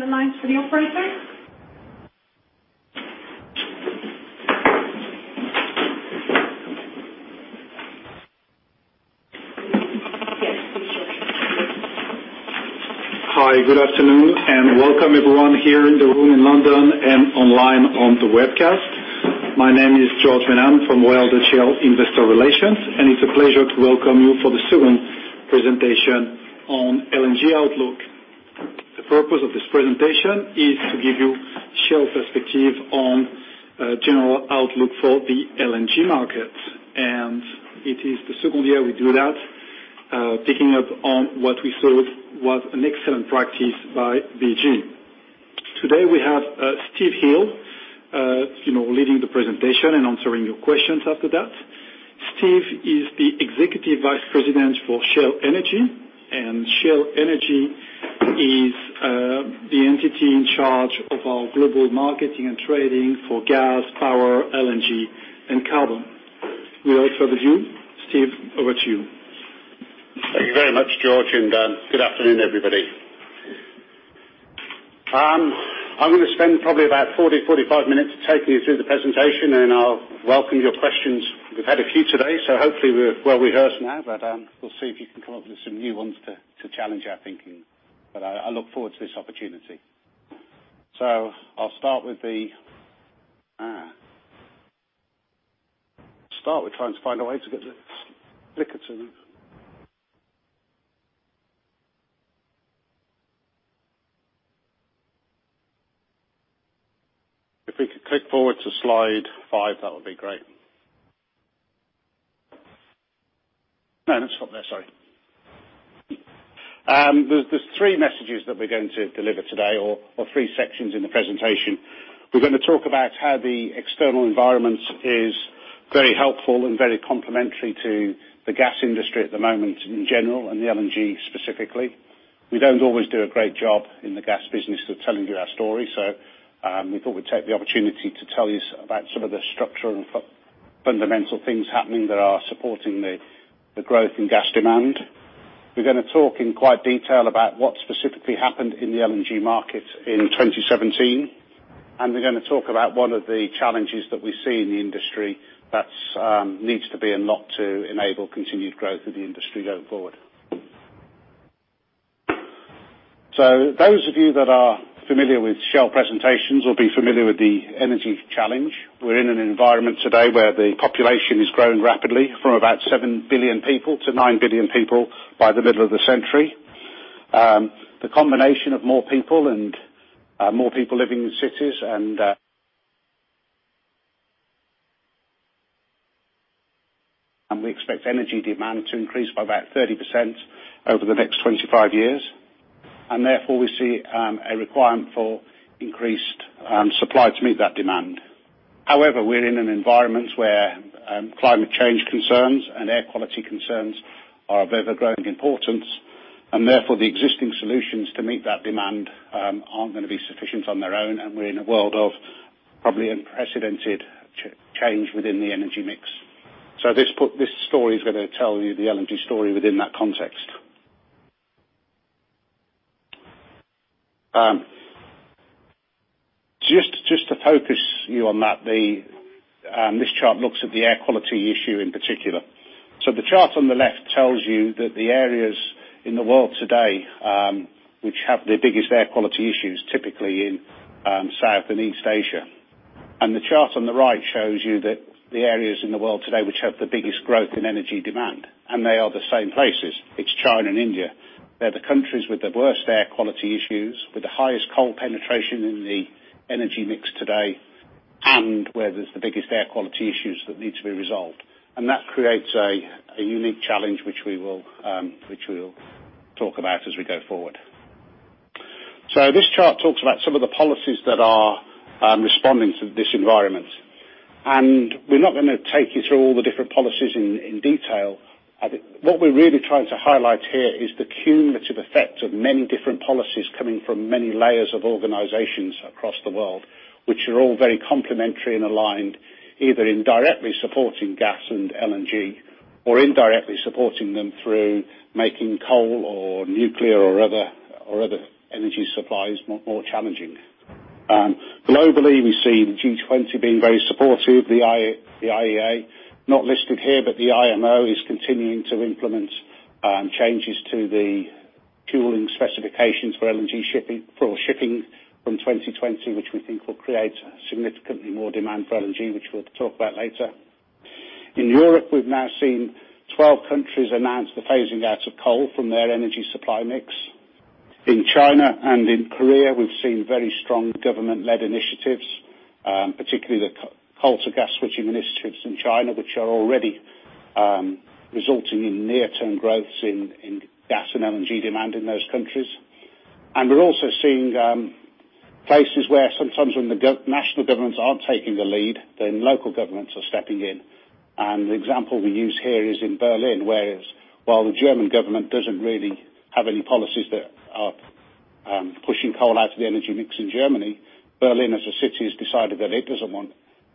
Open the lines for the operator. Hi, good afternoon, and welcome everyone here in the room in London and online on the webcast. My name is Gerard Paulides from Royal Dutch Shell Investor Relations, and it's a pleasure to welcome you for the second presentation on LNG Outlook. The purpose of this presentation is to give you Shell perspective on general outlook for the LNG market. It is the second year we do that, picking up on what we thought was an excellent practice by BG. Today, we have Steve Hill leading the presentation and answering your questions after that. Steve is the Executive Vice President for Shell Energy, and Shell Energy is the entity in charge of our global marketing and trading for gas, power, LNG, and carbon. We also review. Steve, over to you. Thank you very much, Gerard. Good afternoon, everybody. I'm going to spend probably about 40, 45 minutes taking you through the presentation. I'll welcome your questions. We've had a few today, hopefully we're well rehearsed now, but we'll see if you can come up with some new ones to challenge our thinking. I look forward to this opportunity. Start with trying to find a way to get the clicker to move. If we could click forward to slide five, that would be great. No, let's stop there. Sorry. There's three messages that we're going to deliver today or three sections in the presentation. We're going to talk about how the external environment is very helpful and very complementary to the gas industry at the moment in general, and the LNG specifically. We don't always do a great job in the gas business of telling you our story. We thought we'd take the opportunity to tell you about some of the structural and fundamental things happening that are supporting the growth in gas demand. We're going to talk in quite detail about what specifically happened in the LNG market in 2017, and we're going to talk about one of the challenges that we see in the industry that needs to be unlocked to enable continued growth of the industry going forward. Those of you that are familiar with Shell presentations will be familiar with the energy challenge. We're in an environment today where the population is growing rapidly from about 7 billion people to 9 billion people by the middle of the century. The combination of more people and more people living in cities and we expect energy demand to increase by about 30% over the next 25 years, and therefore we see a requirement for increased supply to meet that demand. However, we're in an environment where climate change concerns and air quality concerns are of ever-growing importance, and therefore, the existing solutions to meet that demand aren't going to be sufficient on their own, and we're in a world of probably unprecedented change within the energy mix. This story is going to tell you the LNG story within that context. Just to focus you on that, this chart looks at the air quality issue in particular. The chart on the left tells you that the areas in the world today which have the biggest air quality issues, typically in South and East Asia. The chart on the right shows you that the areas in the world today which have the biggest growth in energy demand, and they are the same places. It's China and India. They're the countries with the worst air quality issues, with the highest coal penetration in the energy mix today, and where there's the biggest air quality issues that need to be resolved. That creates a unique challenge, which we will talk about as we go forward. This chart talks about some of the policies that are responding to this environment. We're not going to take you through all the different policies in detail. What we're really trying to highlight here is the cumulative effect of many different policies coming from many layers of organizations across the world, which are all very complementary and aligned, either in directly supporting gas and LNG or indirectly supporting them through making coal or nuclear or other energy supplies more challenging. Globally, we see the G20 being very supportive. The IEA. Not listed here, but the IMO is continuing to implement changes to the fueling specifications for LNG shipping, for shipping from 2020, which we think will create significantly more demand for LNG, which we'll talk about later. In Europe, we've now seen 12 countries announce the phasing out of coal from their energy supply mix. In China and in Korea, we've seen very strong government-led initiatives, particularly the Coal to Gas Switching Initiatives in China, which are already resulting in near-term growths in gas and LNG demand in those countries. We're also seeing places where sometimes when the national governments aren't taking the lead, local governments are stepping in. The example we use here is in Berlin, where while the German government doesn't really have any policies that coal out of the energy mix in Germany. Berlin, as a city, has decided that it doesn't want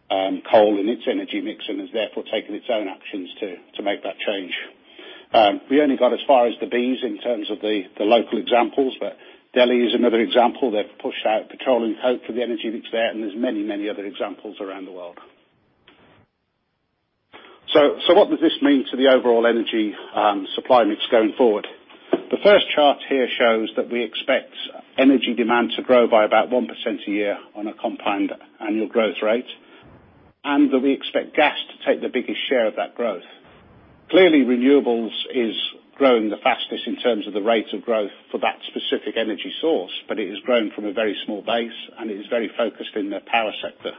coal in its energy mix and has therefore taken its own actions to make that change. We only got as far as the Bs in terms of the local examples, but Delhi is another example. They've pushed out petrol and coal for the energy that's there's many other examples around the world. What does this mean to the overall energy supply mix going forward? The first chart here shows that we expect energy demand to grow by about 1% a year on a compound annual growth rate, that we expect gas to take the biggest share of that growth. Clearly, renewables is growing the fastest in terms of the rate of growth for that specific energy source, but it has grown from a very small base, it is very focused in the power sector.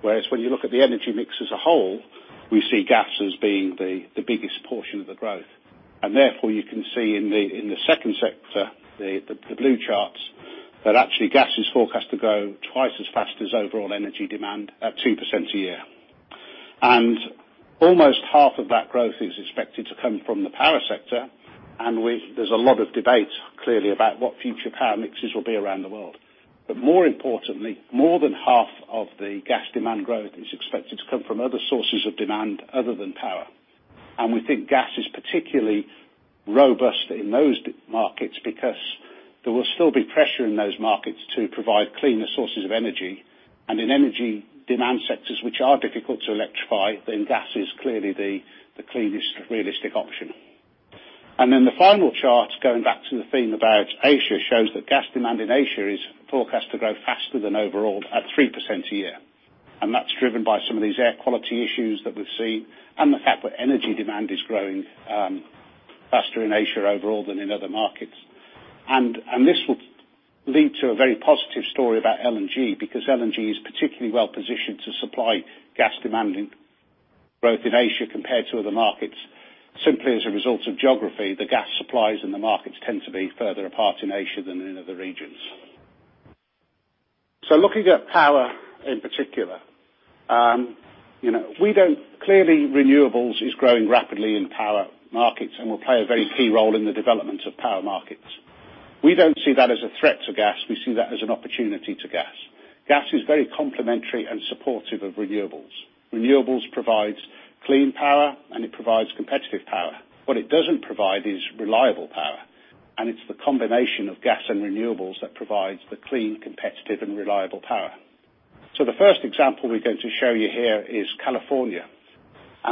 Whereas when you look at the energy mix as a whole, we see gas as being the biggest portion of the growth. Therefore, you can see in the second sector, the blue charts, that actually gas is forecast to grow twice as fast as overall energy demand at 2% a year. Almost half of that growth is expected to come from the power sector, there's a lot of debate, clearly, about what future power mixes will be around the world. More importantly, more than half of the gas demand growth is expected to come from other sources of demand other than power. We think gas is particularly robust in those markets because there will still be pressure in those markets to provide cleaner sources of energy. In energy demand sectors which are difficult to electrify, then gas is clearly the cleanest realistic option. The final chart, going back to the theme about Asia, shows that gas demand in Asia is forecast to grow faster than overall at 3% a year. That's driven by some of these air quality issues that we've seen and the fact that energy demand is growing faster in Asia overall than in other markets. This will lead to a very positive story about LNG, because LNG is particularly well-positioned to supply gas demand growth in Asia compared to other markets. Simply as a result of geography, the gas supplies in the markets tend to be further apart in Asia than in other regions. Looking at power in particular. Clearly renewables is growing rapidly in power markets will play a very key role in the development of power markets. We don't see that as a threat to gas. We see that as an opportunity to gas. Gas is very complementary and supportive of renewables. Renewables provides clean power, it provides competitive power. What it doesn't provide is reliable power, and it's the combination of gas and renewables that provides the clean, competitive, and reliable power. The first example we're going to show you here is California.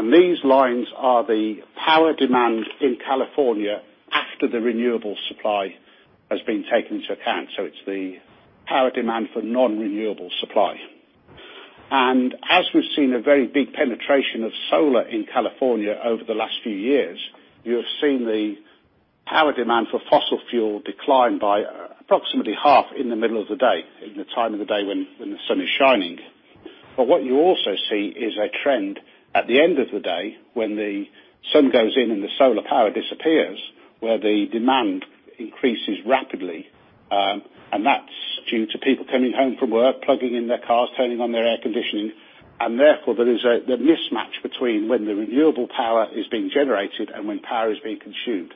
These lines are the power demand in California after the renewable supply has been taken into account. It's the power demand for non-renewable supply. As we've seen a very big penetration of solar in California over the last few years, you have seen the power demand for fossil fuel decline by approximately half in the middle of the day, in the time of the day when the sun is shining. What you also see is a trend at the end of the day, when the sun goes in and the solar power disappears, where the demand increases rapidly. That's due to people coming home from work, plugging in their cars, turning on their air conditioning. Therefore, there is the mismatch between when the renewable power is being generated and when power is being consumed.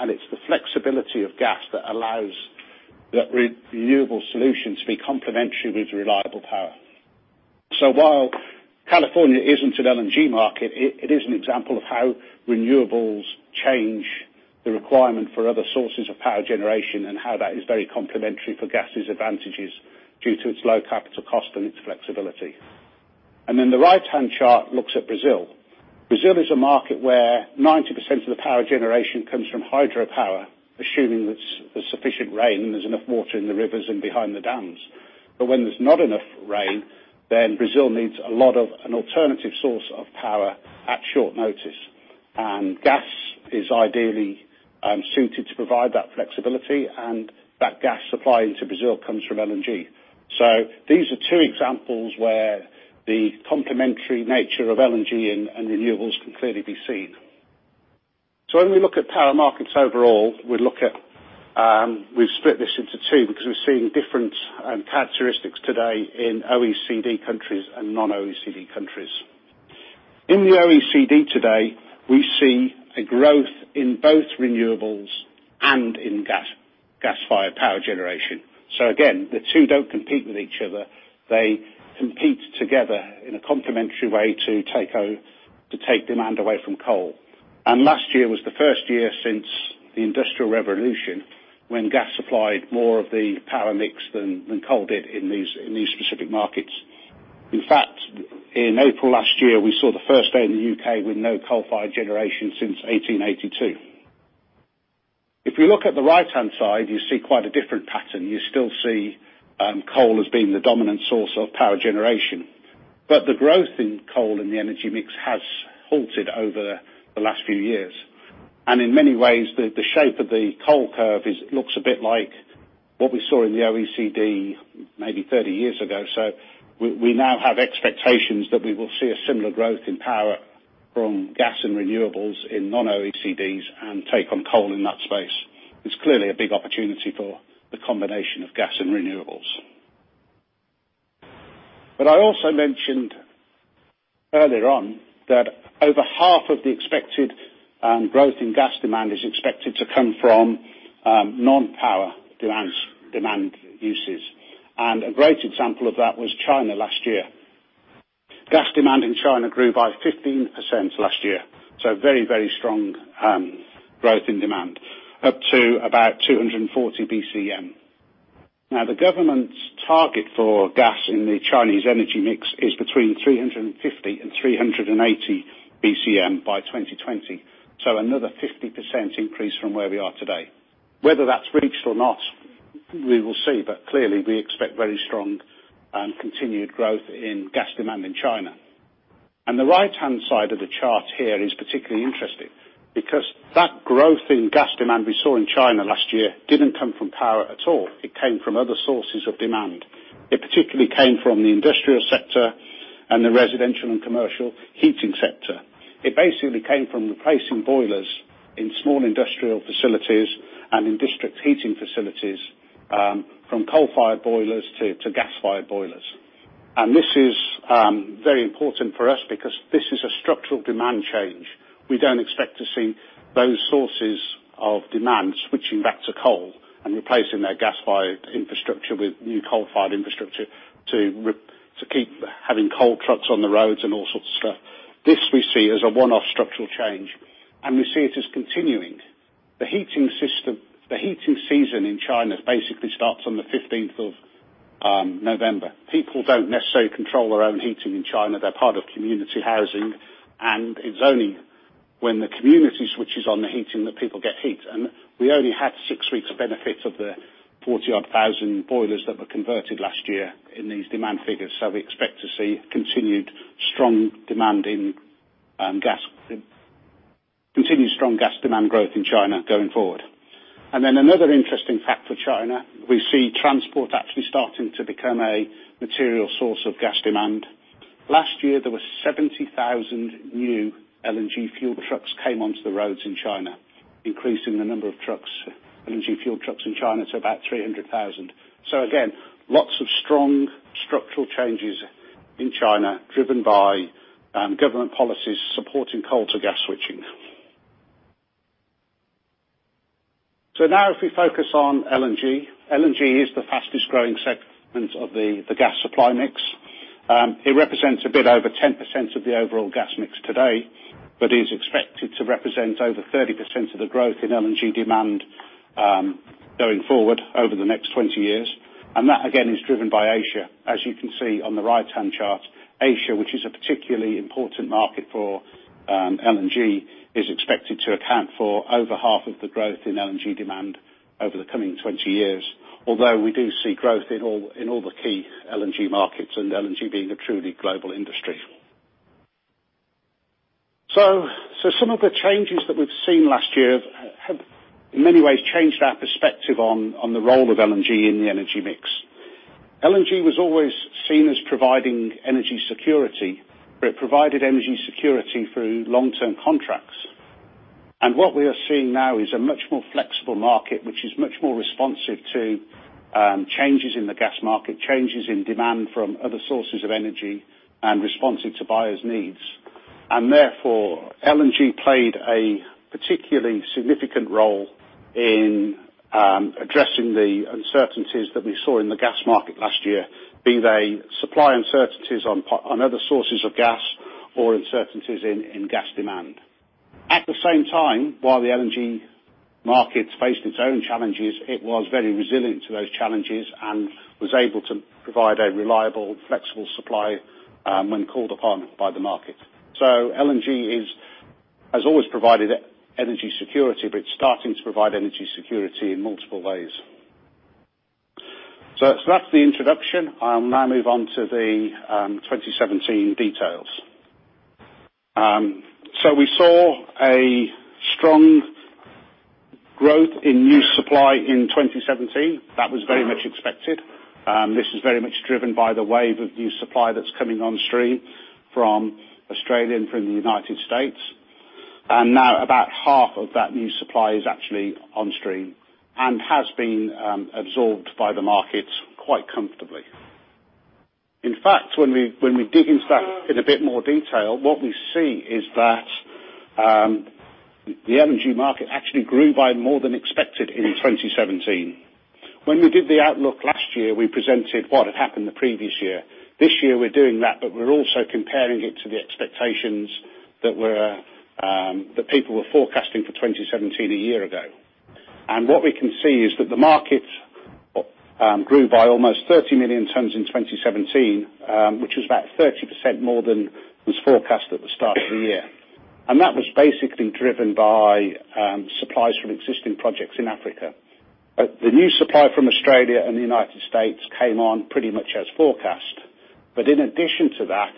It's the flexibility of gas that allows that renewable solution to be complementary with reliable power. While California isn't an LNG market, it is an example of how renewables change the requirement for other sources of power generation and how that is very complementary for gas' advantages due to its low capital cost and its flexibility. The right-hand chart looks at Brazil. Brazil is a market where 90% of the power generation comes from hydropower, assuming there's sufficient rain and there's enough water in the rivers and behind the dams. When there's not enough rain, then Brazil needs an alternative source of power at short notice. Gas is ideally suited to provide that flexibility, and that gas supply into Brazil comes from LNG. These are two examples where the complementary nature of LNG and renewables can clearly be seen. When we look at power markets overall, we've split this into two because we're seeing different characteristics today in OECD countries and non-OECD countries. In the OECD today, we see a growth in both renewables and in gas-fired power generation. Again, the two don't compete with each other. They compete together in a complementary way to take demand away from coal. Last year was the first year since the Industrial Revolution when gas supplied more of the power mix than coal did in these specific markets. In fact, in April last year, we saw the first day in the U.K. with no coal-fired generation since 1882. If we look at the right-hand side, you see quite a different pattern. You still see coal as being the dominant source of power generation. The growth in coal in the energy mix has halted over the last few years. In many ways, the shape of the coal curve looks a bit like what we saw in the OECD maybe 30 years ago. We now have expectations that we will see a similar growth in power from gas and renewables in non-OECDs and take on coal in that space. It's clearly a big opportunity for the combination of gas and renewables. I also mentioned earlier on that over half of the expected growth in gas demand is expected to come from non-power demand uses. A great example of that was China last year. Gas demand in China grew by 15% last year, very strong growth in demand, up to about 240 BCM. The government's target for gas in the Chinese energy mix is between 350 and 380 BCM by 2020. Another 50% increase from where we are today. Whether that's reached or not, we will see. Clearly, we expect very strong and continued growth in gas demand in China. The right-hand side of the chart here is particularly interesting, because that growth in gas demand we saw in China last year didn't come from power at all. It came from other sources of demand. It particularly came from the industrial sector and the residential and commercial heating sector. It basically came from replacing boilers in small industrial facilities and in district heating facilities, from coal-fired boilers to gas-fired boilers. This is very important for us because this is a structural demand change. We don't expect to see those sources of demand switching back to coal and replacing their gas-fired infrastructure with new coal-fired infrastructure to keep having coal trucks on the roads and all sorts of stuff. This we see as a one-off structural change, and we see it as continuing. The heating season in China basically starts on the 15th of November. People don't necessarily control their own heating in China. They're part of community housing, and it's only when the community switches on the heating that people get heat. We only had six weeks benefit of the 40 odd thousand boilers that were converted last year in these demand figures. We expect to see continued strong gas demand growth in China going forward. Another interesting fact for China, we see transport actually starting to become a material source of gas demand. Last year, there were 70,000 new LNG fuel trucks came onto the roads in China, increasing the number of LNG fuel trucks in China to about 300,000. Again, lots of strong structural changes in China, driven by government policies supporting coal to gas switching. If we focus on LNG. LNG is the fastest-growing segment of the gas supply mix. It represents a bit over 10% of the overall gas mix today, but is expected to represent over 30% of the growth in LNG demand going forward over the next 20 years. That, again, is driven by Asia. As you can see on the right-hand chart, Asia, which is a particularly important market for LNG, is expected to account for over half of the growth in LNG demand over the coming 20 years. Although we do see growth in all the key LNG markets, and LNG being a truly global industry. Some of the changes that we've seen last year have, in many ways, changed our perspective on the role of LNG in the energy mix. LNG was always seen as providing energy security, but it provided energy security through long-term contracts. What we are seeing now is a much more flexible market, which is much more responsive to changes in the gas market, changes in demand from other sources of energy, and responsive to buyers' needs. Therefore, LNG played a particularly significant role in addressing the uncertainties that we saw in the gas market last year, be they supply uncertainties on other sources of gas or uncertainties in gas demand. At the same time, while the LNG market faced its own challenges, it was very resilient to those challenges and was able to provide a reliable, flexible supply when called upon by the market. LNG has always provided energy security, but it is starting to provide energy security in multiple ways. That is the introduction. I will now move on to the 2017 details. We saw a strong growth in new supply in 2017. That was very much expected. This is very much driven by the wave of new supply that is coming on stream from Australia and from the United States. Now about half of that new supply is actually on stream and has been absorbed by the market quite comfortably. In fact, when we dig into that in a bit more detail, what we see is that the LNG market actually grew by more than expected in 2017. When we did the outlook last year, we presented what had happened the previous year. This year we are doing that, but we are also comparing it to the expectations that people were forecasting for 2017 a year ago. What we can see is that the market grew by almost 30 million tons in 2017, which is about 30% more than was forecast at the start of the year. That was basically driven by supplies from existing projects in Africa. The new supply from Australia and the United States came on pretty much as forecast. In addition to that,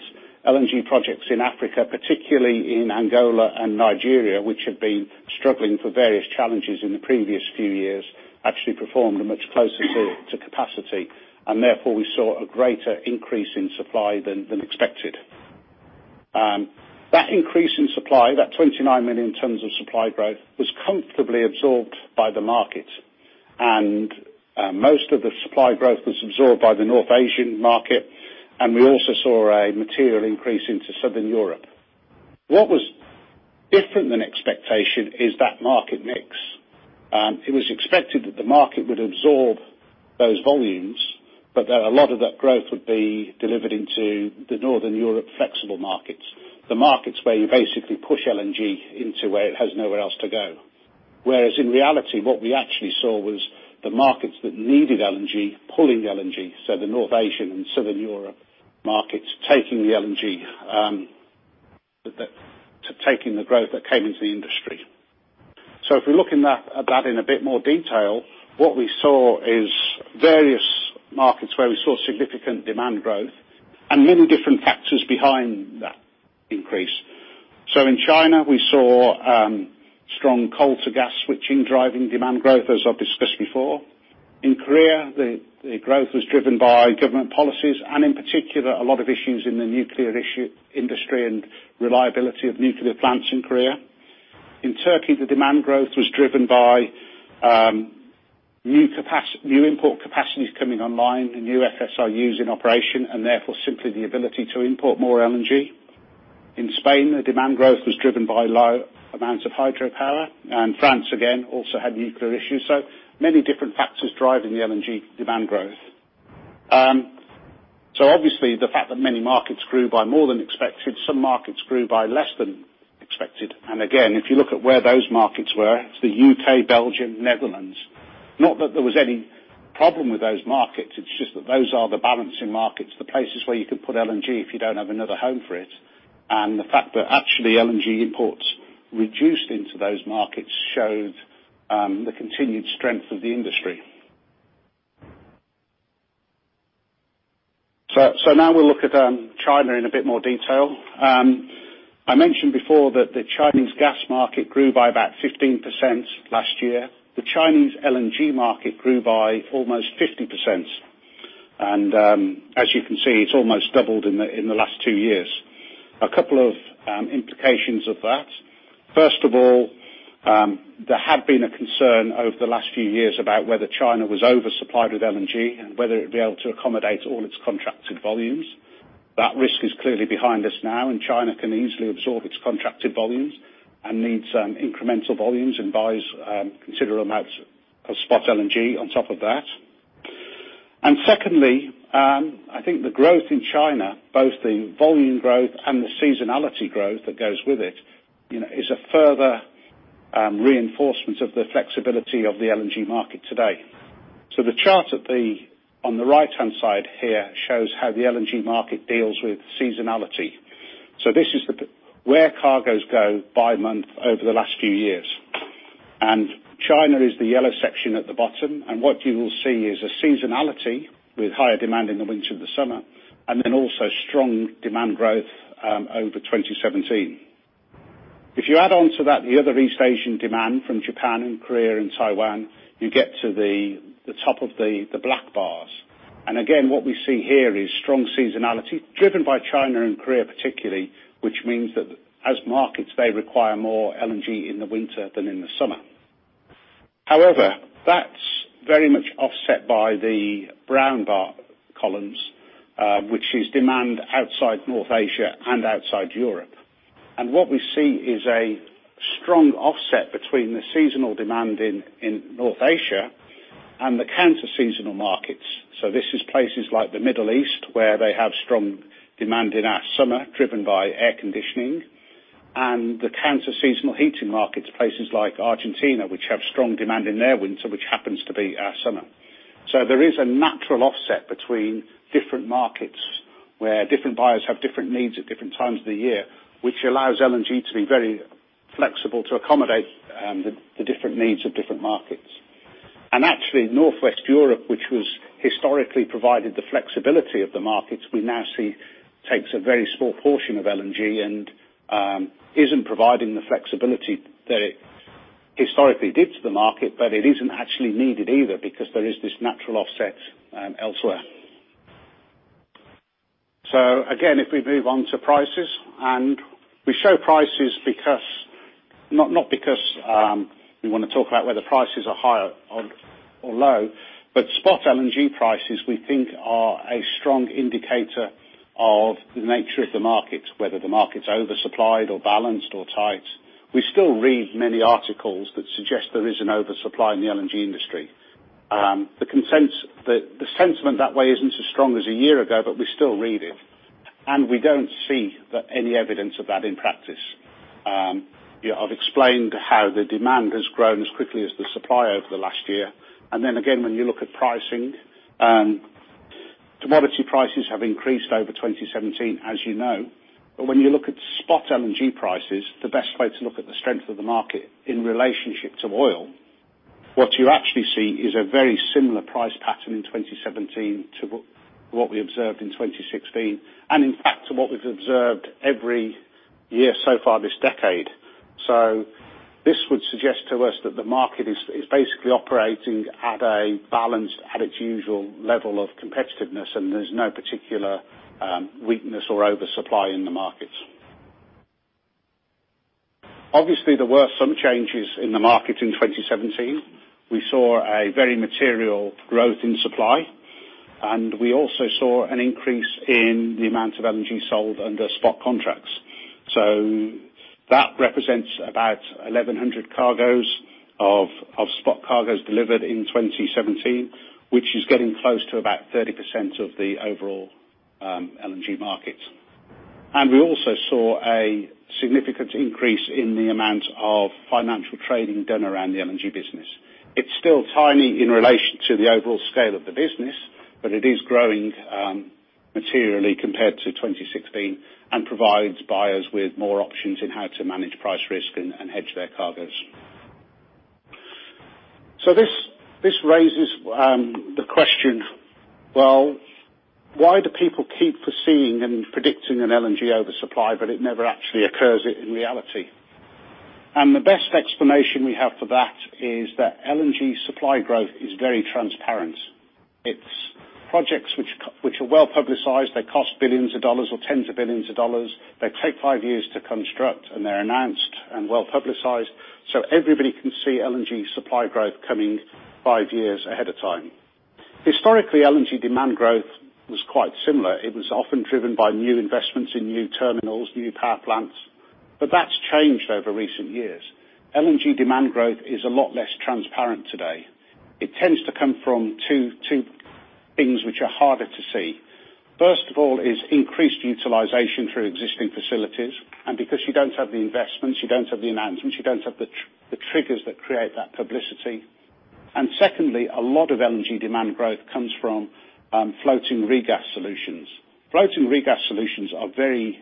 LNG projects in Africa, particularly in Angola and Nigeria, which had been struggling for various challenges in the previous few years, actually performed much closer to capacity, and therefore we saw a greater increase in supply than expected. That increase in supply, that 29 million tons of supply growth, was comfortably absorbed by the market. Most of the supply growth was absorbed by the North Asian market, and we also saw a material increase into Southern Europe. What was different than expectation is that market mix. It was expected that the market would absorb those volumes, but that a lot of that growth would be delivered into the Northern Europe flexible markets, the markets where you basically push LNG into where it has nowhere else to go. Whereas in reality, what we actually saw was the markets that needed LNG pulling LNG, so the North Asian and Southern Europe markets taking the LNG, taking the growth that came into the industry. If we look at that in a bit more detail, what we saw is various markets where we saw significant demand growth and many different factors behind that increase. In China, we saw strong coal to gas switching, driving demand growth, as I have discussed before. In Korea, the growth was driven by government policies and in particular, a lot of issues in the nuclear industry and reliability of nuclear plants in Korea. In Turkey, the demand growth was driven by new import capacities coming online and new FSRUs in operation, and therefore simply the ability to import more LNG. In Spain, the demand growth was driven by low amounts of hydropower. France, again, also had nuclear issues. Many different factors driving the LNG demand growth. Obviously the fact that many markets grew by more than expected, some markets grew by less than expected. Again, if you look at where those markets were, it's the U.K., Belgium, Netherlands. Not that there was any problem with those markets, it's just that those are the balancing markets, the places where you can put LNG if you don't have another home for it. The fact that actually LNG imports reduced into those markets showed the continued strength of the industry. Now we'll look at China in a bit more detail. I mentioned before that the Chinese gas market grew by about 15% last year. The Chinese LNG market grew by almost 50%. As you can see, it's almost doubled in the last two years. A couple of implications of that. First of all, there had been a concern over the last few years about whether China was over-supplied with LNG and whether it'd be able to accommodate all its contracted volumes. That risk is clearly behind us now, and China can easily absorb its contracted volumes, and needs incremental volumes and buys considerable amounts of spot LNG on top of that. Secondly, I think the growth in China, both the volume growth and the seasonality growth that goes with it, is a further reinforcement of the flexibility of the LNG market today. The chart on the right-hand side here shows how the LNG market deals with seasonality. This is where cargoes go by month over the last few years. China is the yellow section at the bottom. What you will see is a seasonality with higher demand in the winter and the summer, then also strong demand growth over 2017. If you add on to that the other East Asian demand from Japan and Korea and Taiwan, you get to the top of the black bars. Again, what we see here is strong seasonality driven by China and Korea particularly, which means that as markets, they require more LNG in the winter than in the summer. However, that's very much offset by the brown bar columns, which is demand outside North Asia and outside Europe. What we see is a strong offset between the seasonal demand in North Asia and the counter seasonal markets. This is places like the Middle East, where they have strong demand in our summer, driven by air conditioning. The counter seasonal heating markets, places like Argentina, which have strong demand in their winter, which happens to be our summer. There is a natural offset between different markets, where different buyers have different needs at different times of the year, which allows LNG to be very flexible to accommodate the different needs of different markets. Actually, Northwest Europe, which has historically provided the flexibility of the markets, we now see takes a very small portion of LNG and isn't providing the flexibility that it historically did to the market. It isn't actually needed either because there is this natural offset elsewhere. Again, if we move on to prices, we show prices not because we want to talk about whether prices are high or low, but spot LNG prices we think are a strong indicator of the nature of the market, whether the market's oversupplied or balanced or tight. We still read many articles that suggest there is an oversupply in the LNG industry. The sentiment that way isn't as strong as a year ago, but we still read it, and we don't see any evidence of that in practice. I've explained how the demand has grown as quickly as the supply over the last year. Again, when you look at pricing, commodity prices have increased over 2017, as you know. When you look at spot LNG prices, the best way to look at the strength of the market in relationship to oil, what you actually see is a very similar price pattern in 2017 to what we observed in 2016, and in fact, to what we've observed every year so far this decade. This would suggest to us that the market is basically operating at a balanced, at its usual level of competitiveness, and there's no particular weakness or oversupply in the markets. Obviously, there were some changes in the market in 2017. We saw a very material growth in supply, and we also saw an increase in the amount of LNG sold under spot contracts. That represents about 1,100 cargos of spot cargos delivered in 2017, which is getting close to about 30% of the overall LNG market. We also saw a significant increase in the amount of financial trading done around the LNG business. It's still tiny in relation to the overall scale of the business, but it is growing materially compared to 2016 and provides buyers with more options in how to manage price risk and hedge their cargos. This raises the question, well, why do people keep foreseeing and predicting an LNG oversupply, but it never actually occurs in reality? The best explanation we have for that is that LNG supply growth is very transparent. It's projects which are well-publicized. They cost billions of dollars or tens of billions of dollars. They take five years to construct, and they're announced and well-publicized, so everybody can see LNG supply growth coming five years ahead of time. Historically, LNG demand growth was quite similar. It was often driven by new investments in new terminals, new power plants. That's changed over recent years. LNG demand growth is a lot less transparent today. It tends to come from two things which are harder to see. First of all is increased utilization through existing facilities. Because you don't have the investments, you don't have the announcements, you don't have the triggers that create that publicity. Secondly, a lot of LNG demand growth comes from floating regas solutions. Floating regas solutions are very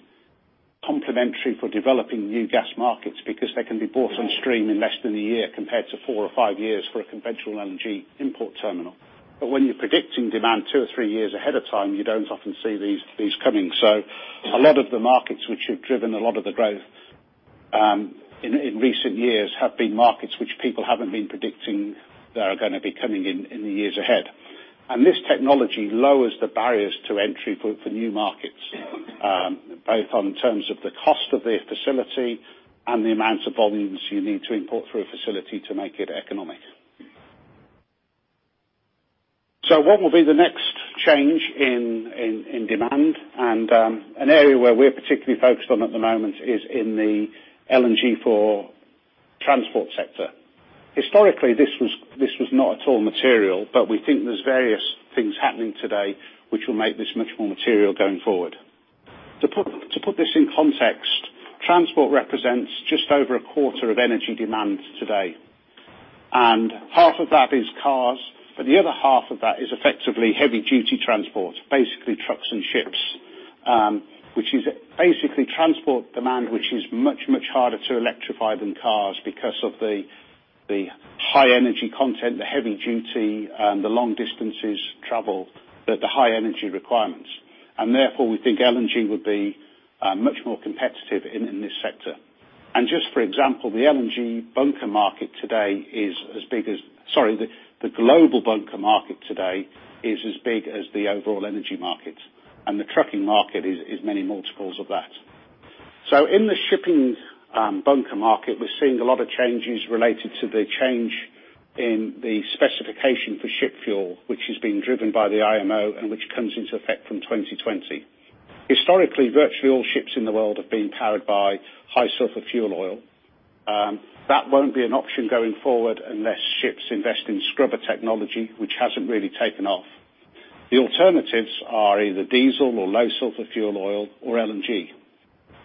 complementary for developing new gas markets, because they can be brought on stream in less than a year compared to four or five years for a conventional LNG import terminal. When you're predicting demand two or three years ahead of time, you don't often see these coming. A lot of the markets which have driven a lot of the growth in recent years have been markets which people haven't been predicting that are going to be coming in the years ahead. This technology lowers the barriers to entry for new markets, both on terms of the cost of the facility and the amounts of volumes you need to import through a facility to make it economic. What will be the next change in demand? An area where we're particularly focused on at the moment is in the LNG for transport sector. Historically, this was not at all material, but we think there's various things happening today which will make this much more material going forward. To put this in context, transport represents just over a quarter of energy demand today. Half of that is cars, but the other half of that is effectively heavy duty transport. Basically trucks and ships, which is basically transport demand, which is much, much harder to electrify than cars because of the high energy content, the heavy duty and the long distances traveled at the high energy requirements. Therefore, we think LNG would be much more competitive in this sector. Just for example, the LNG bunker market today is as big as the global bunker market today is as big as the overall energy market, and the trucking market is many multiples of that. In the shipping bunker market, we're seeing a lot of changes related to the change in the specification for ship fuel, which is being driven by the IMO and which comes into effect from 2020. Historically, virtually all ships in the world have been powered by high sulfur fuel oil. That won't be an option going forward unless ships invest in scrubber technology, which hasn't really taken off. The alternatives are either diesel or low sulfur fuel oil or LNG.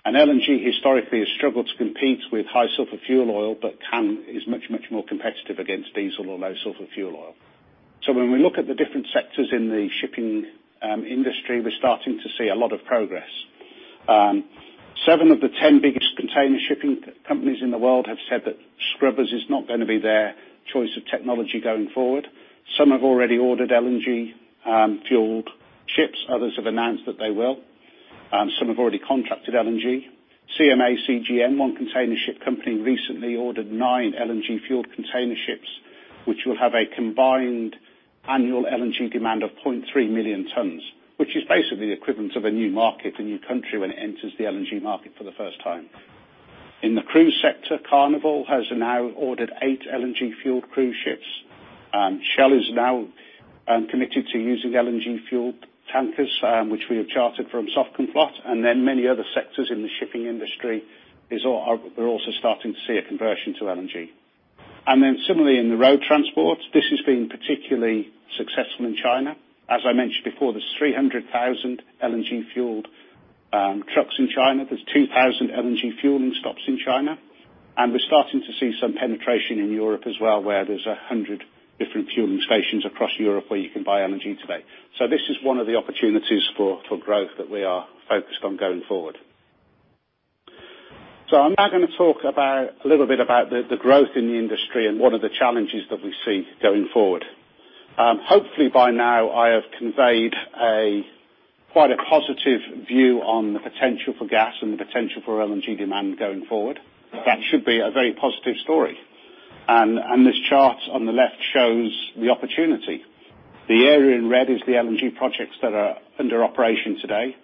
LNG historically has struggled to compete with high sulfur fuel oil but is much, much more competitive against diesel or low sulfur fuel oil. When we look at the different sectors in the shipping industry, we're starting to see a lot of progress. Seven of the 10 biggest container shipping companies in the world have said that scrubbers is not going to be their choice of technology going forward. Some have already ordered LNG-fueled ships. Others have announced that they will. Some have already contracted LNG. CMA CGM, one container ship company, recently ordered nine LNG-fueled container ships, which will have a combined annual LNG demand of 0.3 million tons, which is basically the equivalent of a new market, a new country when it enters the LNG market for the first time. In the cruise sector, Carnival has now ordered eight LNG-fueled cruise ships. Shell is now committed to using LNG-fueled tankers, which we have chartered from Sovcomflot. Many other sectors in the shipping industry, we're also starting to see a conversion to LNG. Similarly in the road transport, this has been particularly successful in China. As I mentioned before, there's 300,000 LNG fueled trucks in China. There's 2,000 LNG fueling stops in China. We're starting to see some penetration in Europe as well, where there's 100 different fueling stations across Europe where you can buy LNG today. This is one of the opportunities for growth that we are focused on going forward. I'm now going to talk a little bit about the growth in the industry and what are the challenges that we see going forward. Hopefully by now I have conveyed quite a positive view on the potential for gas and the potential for LNG demand going forward. That should be a very positive story. This chart on the left shows the opportunity. The area in red is the LNG projects that are under operation today.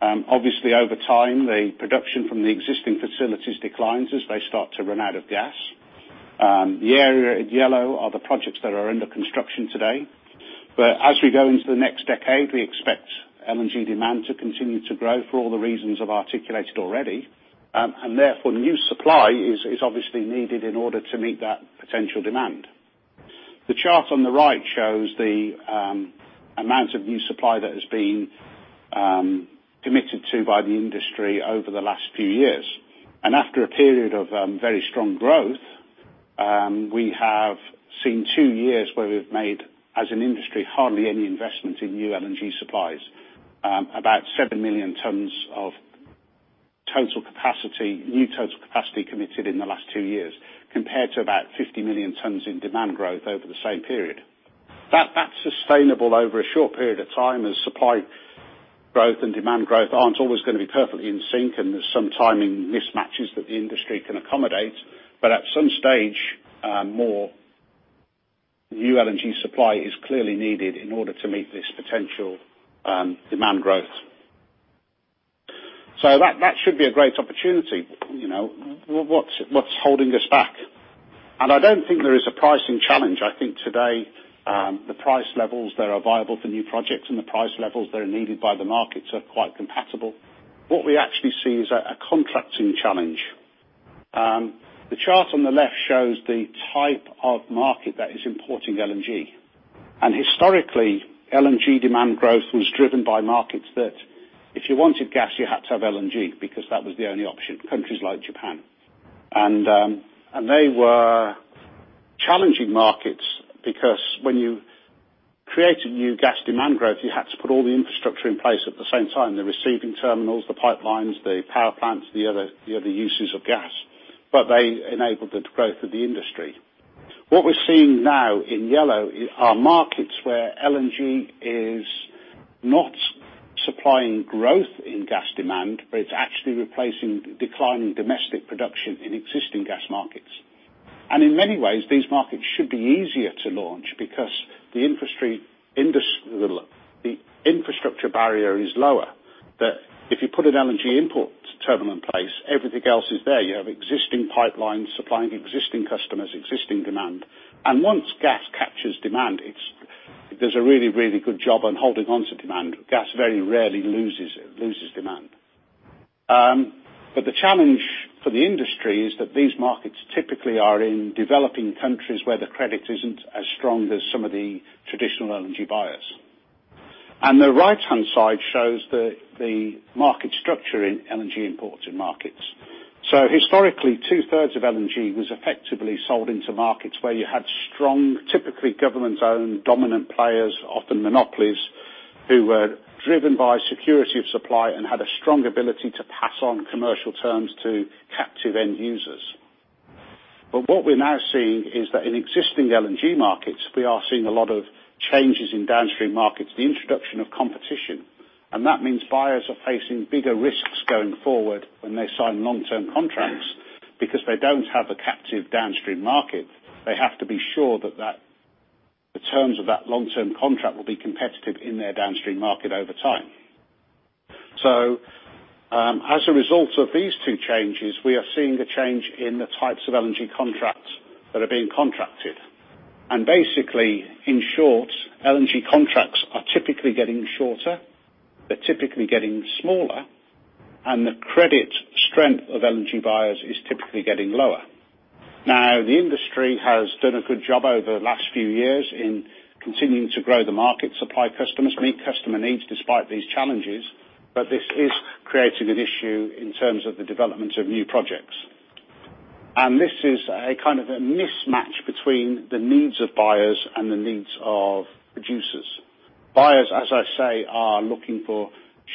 Obviously, over time, the production from the existing facilities declines as they start to run out of gas. The area in yellow are the projects that are under construction today. As we go into the next decade, we expect LNG demand to continue to grow for all the reasons I've articulated already. Therefore, new supply is obviously needed in order to meet that potential demand. The chart on the right shows the amounts of new supply that has been committed to by the industry over the last few years. After a period of very strong growth, we have seen two years where we've made, as an industry, hardly any investments in new LNG supplies. About 7 million tons of new total capacity committed in the last two years, compared to about 50 million tons in demand growth over the same period. That's sustainable over a short period of time, as supply growth and demand growth aren't always going to be perfectly in sync, and there's some timing mismatches that the industry can accommodate. At some stage, more new LNG supply is clearly needed in order to meet this potential demand growth. That should be a great opportunity. What's holding us back? I don't think there is a pricing challenge. I think today, the price levels that are viable for new projects and the price levels that are needed by the markets are quite compatible. What we actually see is a contracting challenge. The chart on the left shows the type of market that is importing LNG. Historically, LNG demand growth was driven by markets that if you wanted gas, you had to have LNG because that was the only option. Countries like Japan. They were challenging markets because when you created new gas demand growth, you had to put all the infrastructure in place at the same time, the receiving terminals, the pipelines, the power plants, the other uses of gas. They enabled the growth of the industry. What we're seeing now in yellow are markets where LNG is not supplying growth in gas demand, but it's actually replacing declining domestic production in existing gas markets. In many ways, these markets should be easier to launch because the infrastructure barrier is lower. That if you put an LNG import terminal in place, everything else is there. You have existing pipelines supplying existing customers, existing demand. Once gas captures demand, it does a really, really good job on holding on to demand. Gas very rarely loses demand. The challenge for the industry is that these markets typically are in developing countries where the credit isn't as strong as some of the traditional LNG buyers. The right-hand side shows the market structure in LNG imported markets. Historically, two-thirds of LNG was effectively sold into markets where you had strong, typically government-owned dominant players, often monopolies, who were driven by security of supply and had a strong ability to pass on commercial terms to captive end users. What we're now seeing is that in existing LNG markets, we are seeing a lot of changes in downstream markets, the introduction of competition. That means buyers are facing bigger risks going forward when they sign long-term contracts because they don't have a captive downstream market. They have to be sure that the terms of that long-term contract will be competitive in their downstream market over time. As a result of these two changes, we are seeing a change in the types of LNG contracts that are being contracted. Basically, in short, LNG contracts are typically getting shorter, they're typically getting smaller, and the credit strength of LNG buyers is typically getting lower. The industry has done a good job over the last few years in continuing to grow the market, supply customers, meet customer needs despite these challenges. This is creating an issue in terms of the development of new projects. This is a kind of a mismatch between the needs of buyers and the needs of producers. Buyers, as I say, are looking for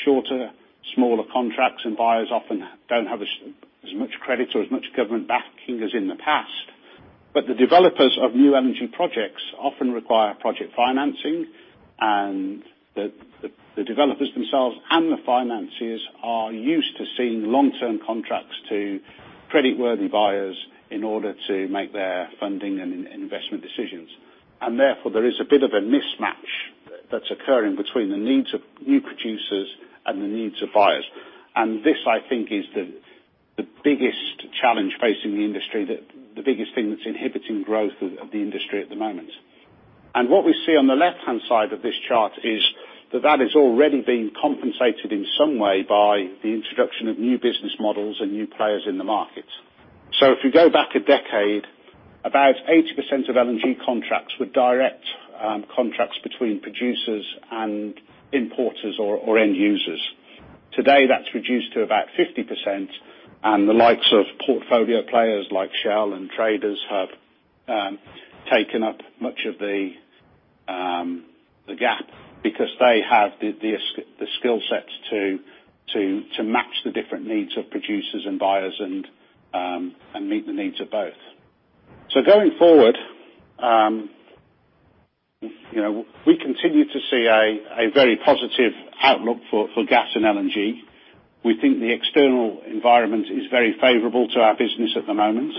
shorter, smaller contracts, and buyers often don't have as much credit or as much government backing as in the past. The developers of new LNG projects often require project financing, and the developers themselves and the financiers are used to seeing long-term contracts to credit-worthy buyers in order to make their funding and investment decisions. Therefore, there is a bit of a mismatch that's occurring between the needs of new producers and the needs of buyers. This, I think, is the biggest challenge facing the industry, the biggest thing that's inhibiting growth of the industry at the moment. What we see on the left-hand side of this chart is that has already been compensated in some way by the introduction of new business models and new players in the market. If you go back a decade, about 80% of LNG contracts were direct contracts between producers and importers or end users. Today, that's reduced to about 50%, and the likes of portfolio players like Shell and traders have taken up much of the gap because they have the skill sets to match the different needs of producers and buyers, and meet the needs of both. Going forward, we continue to see a very positive outlook for gas and LNG. We think the external environment is very favorable to our business at the moment.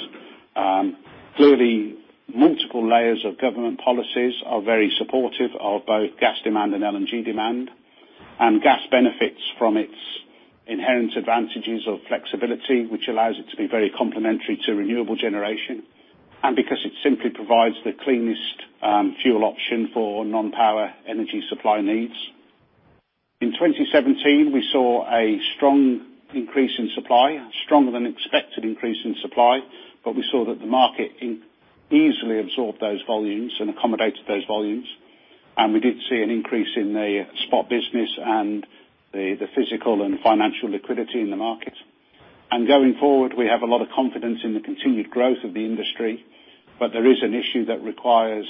Clearly, multiple layers of government policies are very supportive of both gas demand and LNG demand. Gas benefits from its inherent advantages of flexibility, which allows it to be very complementary to renewable generation, and because it simply provides the cleanest fuel option for non-power energy supply needs. In 2017, we saw a strong increase in supply, stronger than expected increase in supply. We saw that the market easily absorbed those volumes and accommodated those volumes. We did see an increase in the spot business and the physical and financial liquidity in the market. Going forward, we have a lot of confidence in the continued growth of the industry. There is an issue that requires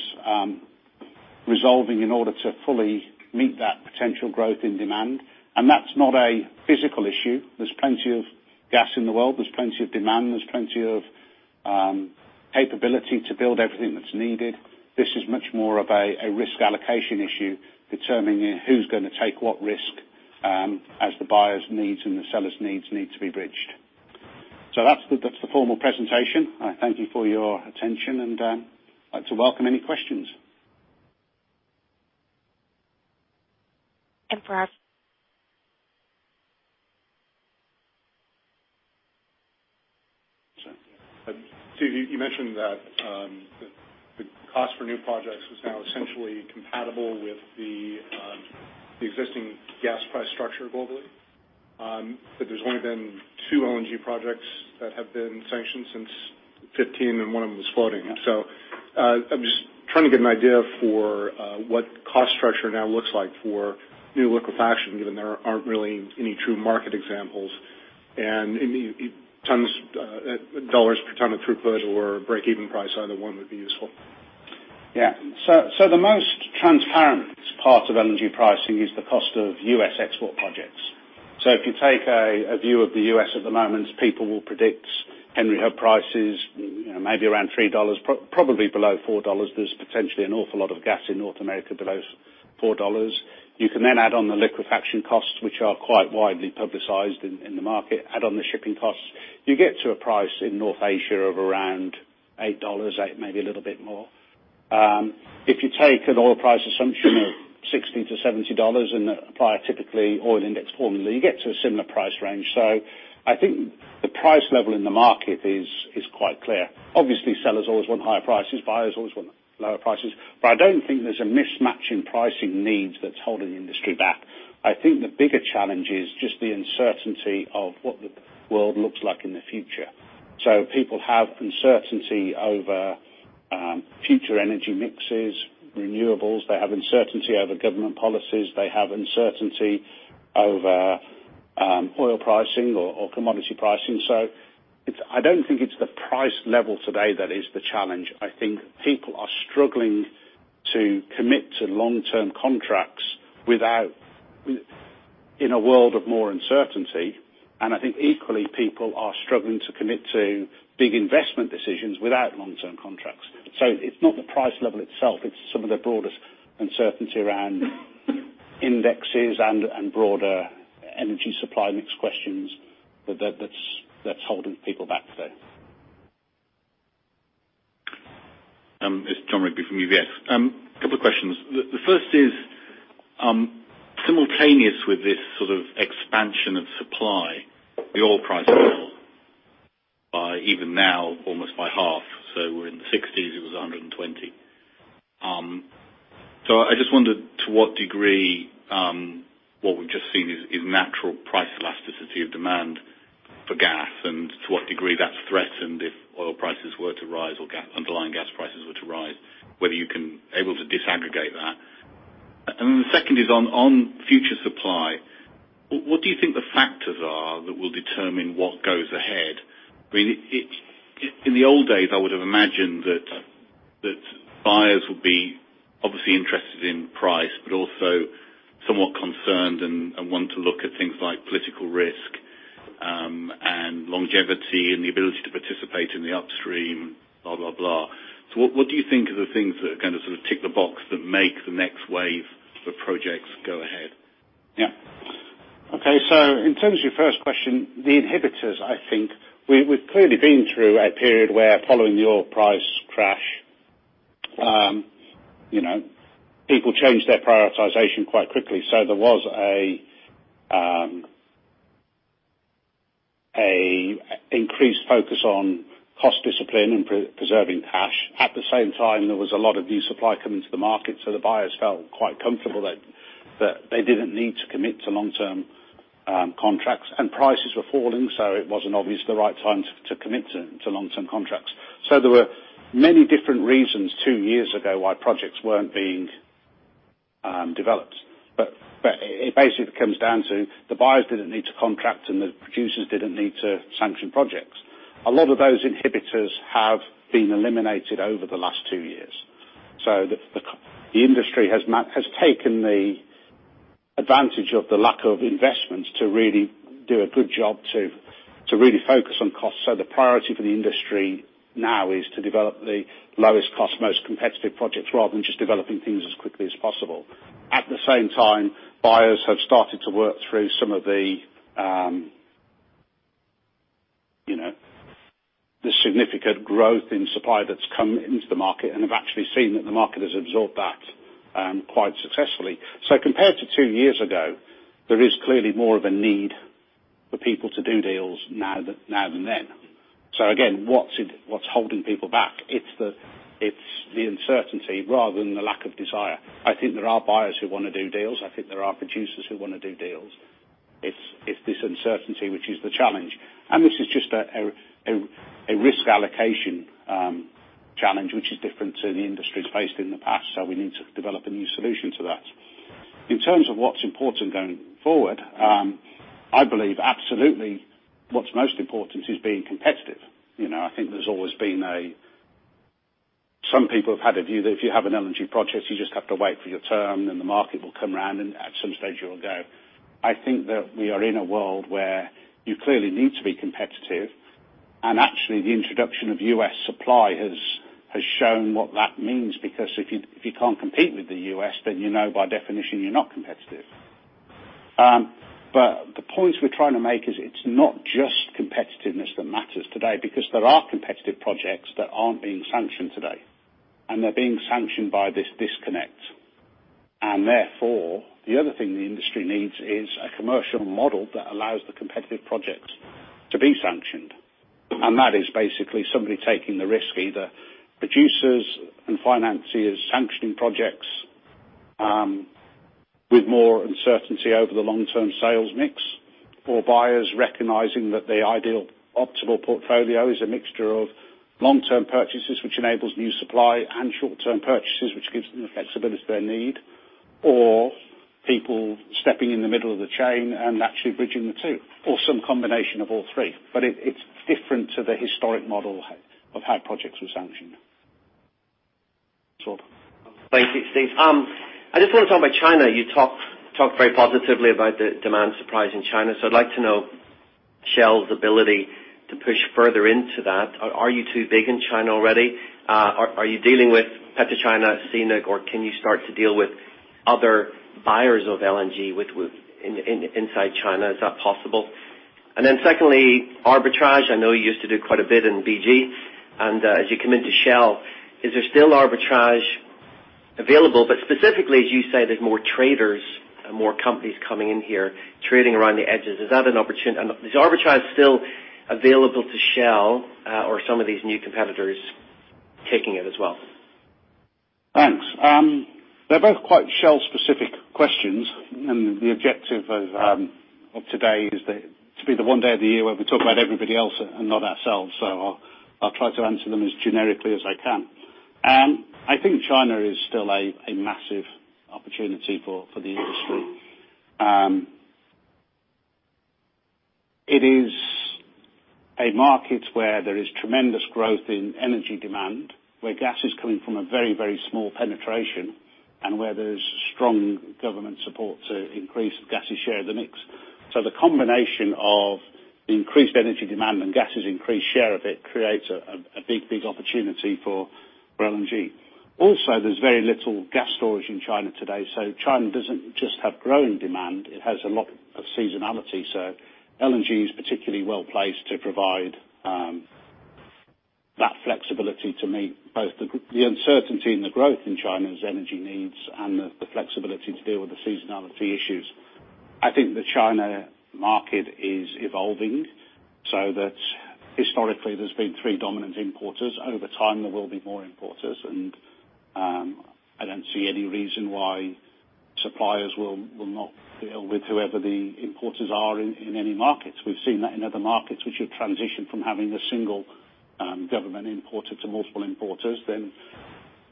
resolving in order to fully meet that potential growth in demand. That's not a physical issue. There's plenty of gas in the world. There's plenty of demand. There's plenty of capability to build everything that's needed. This is much more of a risk allocation issue, determining who's going to take what risk, as the buyer's needs and the seller's needs need to be bridged. That's the formal presentation. I thank you for your attention, and I'd like to welcome any questions. For us. Sure. Steve, you mentioned that the cost for new projects is now essentially compatible with the existing gas price structure globally. There's only been two LNG projects that have been sanctioned since 2015, and one of them is floating. Yeah. I'm just trying to get an idea for what cost structure now looks like for new liquefaction, given there aren't really any true market examples. In $ per ton of throughput or breakeven price, either one would be useful. Yeah. The most transparent part of LNG pricing is the cost of U.S. export projects. If you take a view of the U.S. at the moment, people will predict Henry Hub prices maybe around $3, probably below $4. There's potentially an awful lot of gas in North America below $4. You can then add on the liquefaction costs, which are quite widely publicized in the market. Add on the shipping costs. You get to a price in North Asia of around $8, maybe a little bit more. If you take an oil price assumption of $60 to $70 and apply a typically oil index formula, you get to a similar price range. I think the price level in the market is quite clear. Obviously, sellers always want higher prices. Buyers always want lower prices. I don't think there's a mismatch in pricing needs that's holding the industry back. I think the bigger challenge is just the uncertainty of what the world looks like in the future. People have uncertainty over future energy mixes, renewables. They have uncertainty over government policies. They have uncertainty over oil pricing or commodity pricing. I don't think it's the price level today that is the challenge. I think people are struggling to commit to long-term contracts in a world of more uncertainty. I think equally, people are struggling to commit to big investment decisions without long-term contracts. It's not the price level itself, it's some of the broader uncertainty around indexes and broader energy supply mix questions that's holding people back today. It's Jon Rigby from UBS. Couple of questions. The first is, simultaneous with this sort of expansion of supply, the oil price fell by even now almost by half, we're in the 60s, it was 120. I just wondered to what degree what we've just seen is natural price elasticity of demand for gas, and to what degree that's threatened if oil prices were to rise or underlying gas prices were to rise, whether you can able to disaggregate that. Then the second is on future supply. What do you think the factors are that will determine what goes ahead? In the old days, I would've imagined that buyers would be obviously interested in price, but also somewhat concerned and want to look at things like political risk, and longevity and the ability to participate in the upstream, blah, blah. What do you think are the things that are going to sort of tick the box that make the next wave of projects go ahead? Yeah. Okay, in terms of your first question, the inhibitors, I think we've clearly been through a period where following the oil price crash, people changed their prioritization quite quickly. There was an increased focus on cost discipline and preserving cash. At the same time, there was a lot of new supply coming to the market, so the buyers felt quite comfortable that they didn't need to commit to long-term contracts. Prices were falling, so it wasn't obviously the right time to commit to long-term contracts. There were many different reasons two years ago why projects weren't being developed. It basically comes down to the buyers didn't need to contract, and the producers didn't need to sanction projects. A lot of those inhibitors have been eliminated over the last two years. The industry has taken the advantage of the lack of investments to really do a good job to really focus on costs. The priority for the industry now is to develop the lowest cost, most competitive projects, rather than just developing things as quickly as possible. At the same time, buyers have started to work through some of the significant growth in supply that's come into the market and have actually seen that the market has absorbed that quite successfully. Compared to two years ago, there is clearly more of a need for people to do deals now than then. Again, what's holding people back? It's the uncertainty rather than the lack of desire. I think there are buyers who want to do deals. I think there are producers who want to do deals. It's this uncertainty which is the challenge. This is just a risk allocation challenge, which is different to the industries faced in the past. We need to develop a new solution to that. In terms of what's important going forward, I believe absolutely what's most important is being competitive. I think there's always been. Some people have had a view that if you have an LNG project, you just have to wait for your turn, and the market will come around, and at some stage it will go. I think that we are in a world where you clearly need to be competitive. Actually, the introduction of U.S. supply has shown what that means because if you can't compete with the U.S., then you know by definition you're not competitive. The point we're trying to make is it's not just competitiveness that matters today, because there are competitive projects that aren't being sanctioned today, and they're being sanctioned by this disconnect. Therefore, the other thing the industry needs is a commercial model that allows the competitive projects to be sanctioned. That is basically somebody taking the risk, either producers and financiers sanctioning projects with more uncertainty over the long-term sales mix, or buyers recognizing that the ideal optimal portfolio is a mixture of long-term purchases, which enables new supply and short-term purchases, which gives them the flexibility they need, or people stepping in the middle of the chain and actually bridging the two, or some combination of all three. It's different to the historic model of how projects were sanctioned. Sure. Thanks, Steve. I just want to talk about China. You talked very positively about the demand surprise in China. I'd like to know Shell's ability to push further into that. Are you too big in China already? Are you dealing with PetroChina, CNPC, or can you start to deal with other buyers of LNG inside China? Is that possible? Secondly, arbitrage. I know you used to do quite a bit in BG, and as you come into Shell, is there still arbitrage available? Specifically, as you say, there's more traders and more companies coming in here trading around the edges. Is that an opportunity? Is arbitrage still available to Shell or some of these new competitors taking it as well? Thanks. They're both quite Shell-specific questions, and the objective of today is that to be the one day of the year where we talk about everybody else and not ourselves. I'll try to answer them as generically as I can. I think China is still a massive opportunity for the industry. It is a market where there is tremendous growth in energy demand, where gas is coming from a very, very small penetration, and where there's strong government support to increase gas's share of the mix. The combination of increased energy demand and gas's increased share of it creates a big, big opportunity for LNG. Also, there's very little gas storage in China today. China doesn't just have growing demand. It has a lot of seasonality. LNG is particularly well-placed to provide that flexibility to meet both the uncertainty and the growth in China's energy needs and the flexibility to deal with the seasonality issues. I think the China market is evolving so that historically there's been three dominant importers. Over time, there will be more importers, and I don't see any reason why suppliers will not deal with whoever the importers are in any markets. We've seen that in other markets which have transitioned from having a single government importer to multiple importers, then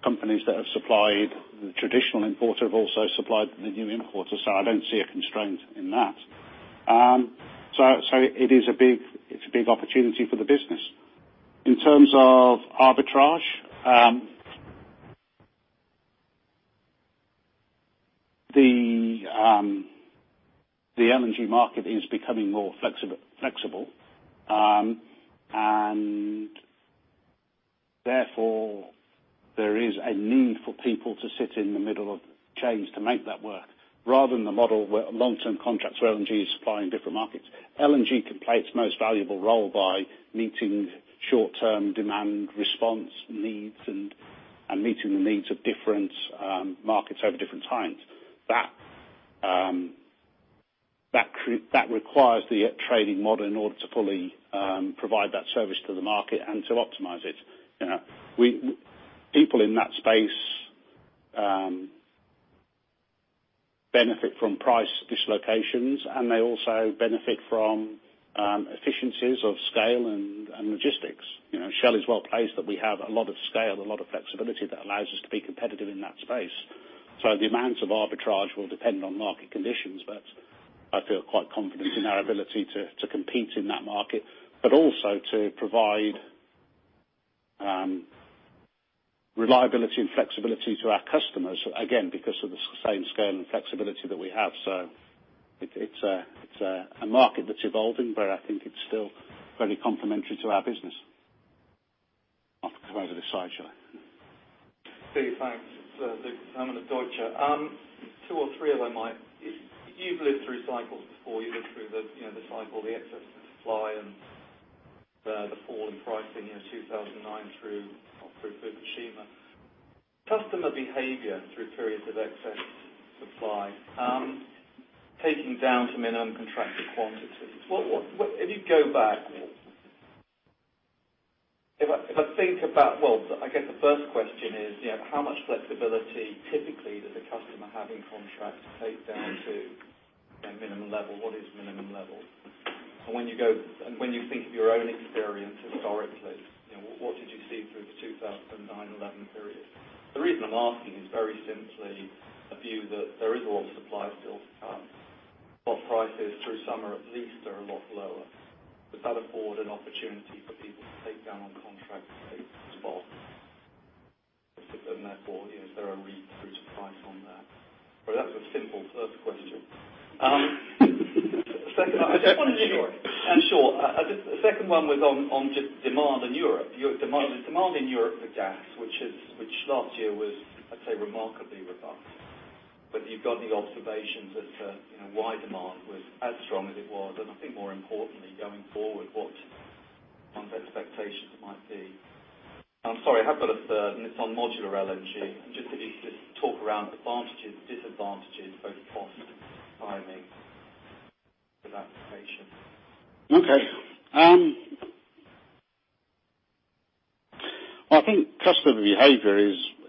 companies that have supplied the traditional importer have also supplied the new importer. I don't see a constraint in that. It's a big opportunity for the business. In terms of arbitrage, the LNG market is becoming more flexible. Therefore, there is a need for people to sit in the middle of change to make that work, rather than the model where long-term contracts where LNG is supplying different markets. LNG can play its most valuable role by meeting short-term demand response needs and meeting the needs of different markets over different times. That requires the trading model in order to fully provide that service to the market and to optimize it. People in that space benefit from price dislocations, and they also benefit from efficiencies of scale and logistics. Shell is well placed that we have a lot of scale, a lot of flexibility that allows us to be competitive in that space. The amounts of arbitrage will depend on market conditions, but I feel quite confident in our ability to compete in that market, but also to provide reliability and flexibility to our customers, again, because of the same scale and flexibility that we have. It's a market that's evolving, but I think it's still very complementary to our business. I'll come over to the side show. Steve, thanks. It's Lucas Herrmann at Deutsche. Two or three of them. You've lived through cycles before. You lived through the cycle, the excess of supply, and the fall in pricing in 2009 through Fukushima. Customer behavior through periods of excess supply, taking down to minimum contracted quantities. If you go back, if I think about, well, I guess the first question is, how much flexibility, typically, does a customer have in contracts to take down to a minimum level? What is minimum level? When you think of your own experience historically, what did you see through the 2009 and 2011 period? The reason I'm asking is very simply a view that there is a lot of supply still, while prices through summer at least are a lot lower. Does that afford an opportunity for people to take down on contracts they've bought? Therefore, is there a reboot of price on that? That's a simple first question. Second, Sure. Sure. The second one was on just demand in Europe. The demand in Europe for gas, which last year was, I'd say remarkably robust. Have you got any observations as to why demand was as strong as it was? I think more importantly, going forward, what one's expectations might be. I'm sorry, I have got a third, and it's on modular LNG. Just if you could just talk around advantages and disadvantages, both cost and timing for that information. Okay. Well, I think customer behavior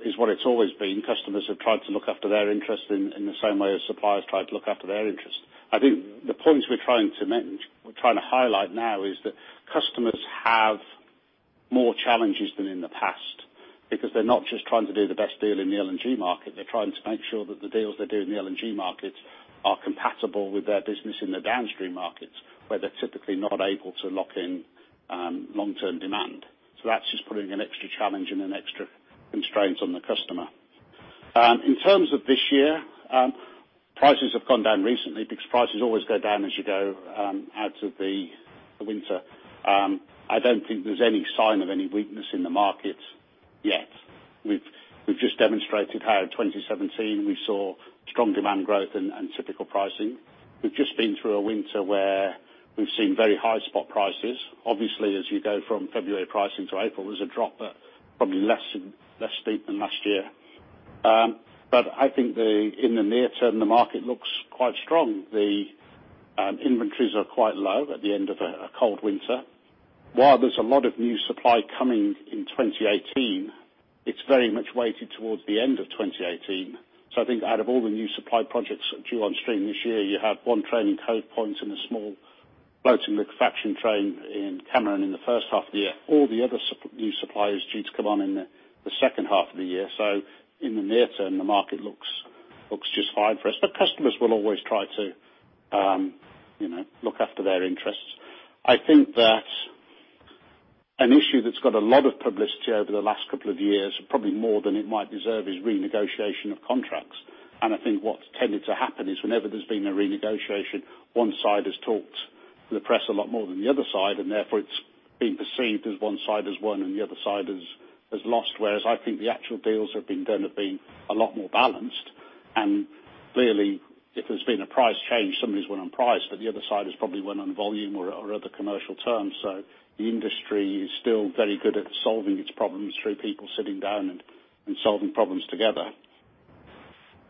is what it's always been. Customers have tried to look after their interest in the same way as suppliers tried to look after their interest. I think the point we're trying to highlight now is that customers have more challenges than in the past because they're not just trying to do the best deal in the LNG market. They're trying to make sure that the deals they do in the LNG markets are compatible with their business in the downstream markets, where they're typically not able to lock in long-term demand. That's just putting an extra challenge and an extra constraints on the customer. In terms of this year, prices have gone down recently because prices always go down as you go out of the winter. I don't think there's any sign of any weakness in the market yet. We've just demonstrated how in 2017 we saw strong demand growth and typical pricing. We've just been through a winter where we've seen very high spot prices. Obviously, as you go from February pricing to April, there's a drop, but probably less steep than last year. I think in the near term, the market looks quite strong. The inventories are quite low at the end of a cold winter. While there's a lot of new supply coming in 2018, it's very much weighted towards the end of 2018. I think out of all the new supply projects due on stream this year, you have one train in Cove Point and a small floating liquefaction train in Cameron in the first half of the year. All the other new supply is due to come on in the second half of the year. In the near term, the market looks just fine for us. Customers will always try to look after their interests. I think that an issue that's got a lot of publicity over the last couple of years, probably more than it might deserve, is renegotiation of contracts. I think what's tended to happen is whenever there's been a renegotiation, one side has talked to the press a lot more than the other side, and therefore it's been perceived as one side has won and the other side has lost, whereas I think the actual deals that have been done have been a lot more balanced. Clearly, if there's been a price change, somebody's won on price, but the other side has probably won on volume or other commercial terms. The industry is still very good at solving its problems through people sitting down and solving problems together.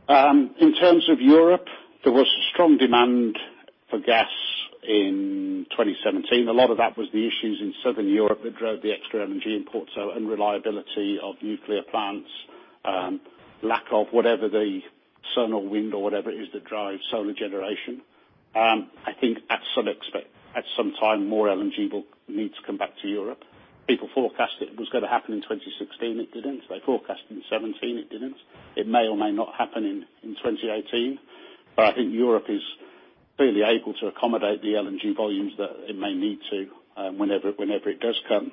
In terms of Europe, there was strong demand for gas in 2017. A lot of that was the issues in Southern Europe that drove the extra LNG imports. Unreliability of nuclear plants, lack of whatever the sun or wind or whatever it is that drives solar generation. I think at some time, more LNG will need to come back to Europe. People forecast it was going to happen in 2016. It didn't. They forecast in 2017. It didn't. It may or may not happen in 2018. I think Europe is fairly able to accommodate the LNG volumes that it may need to whenever it does come.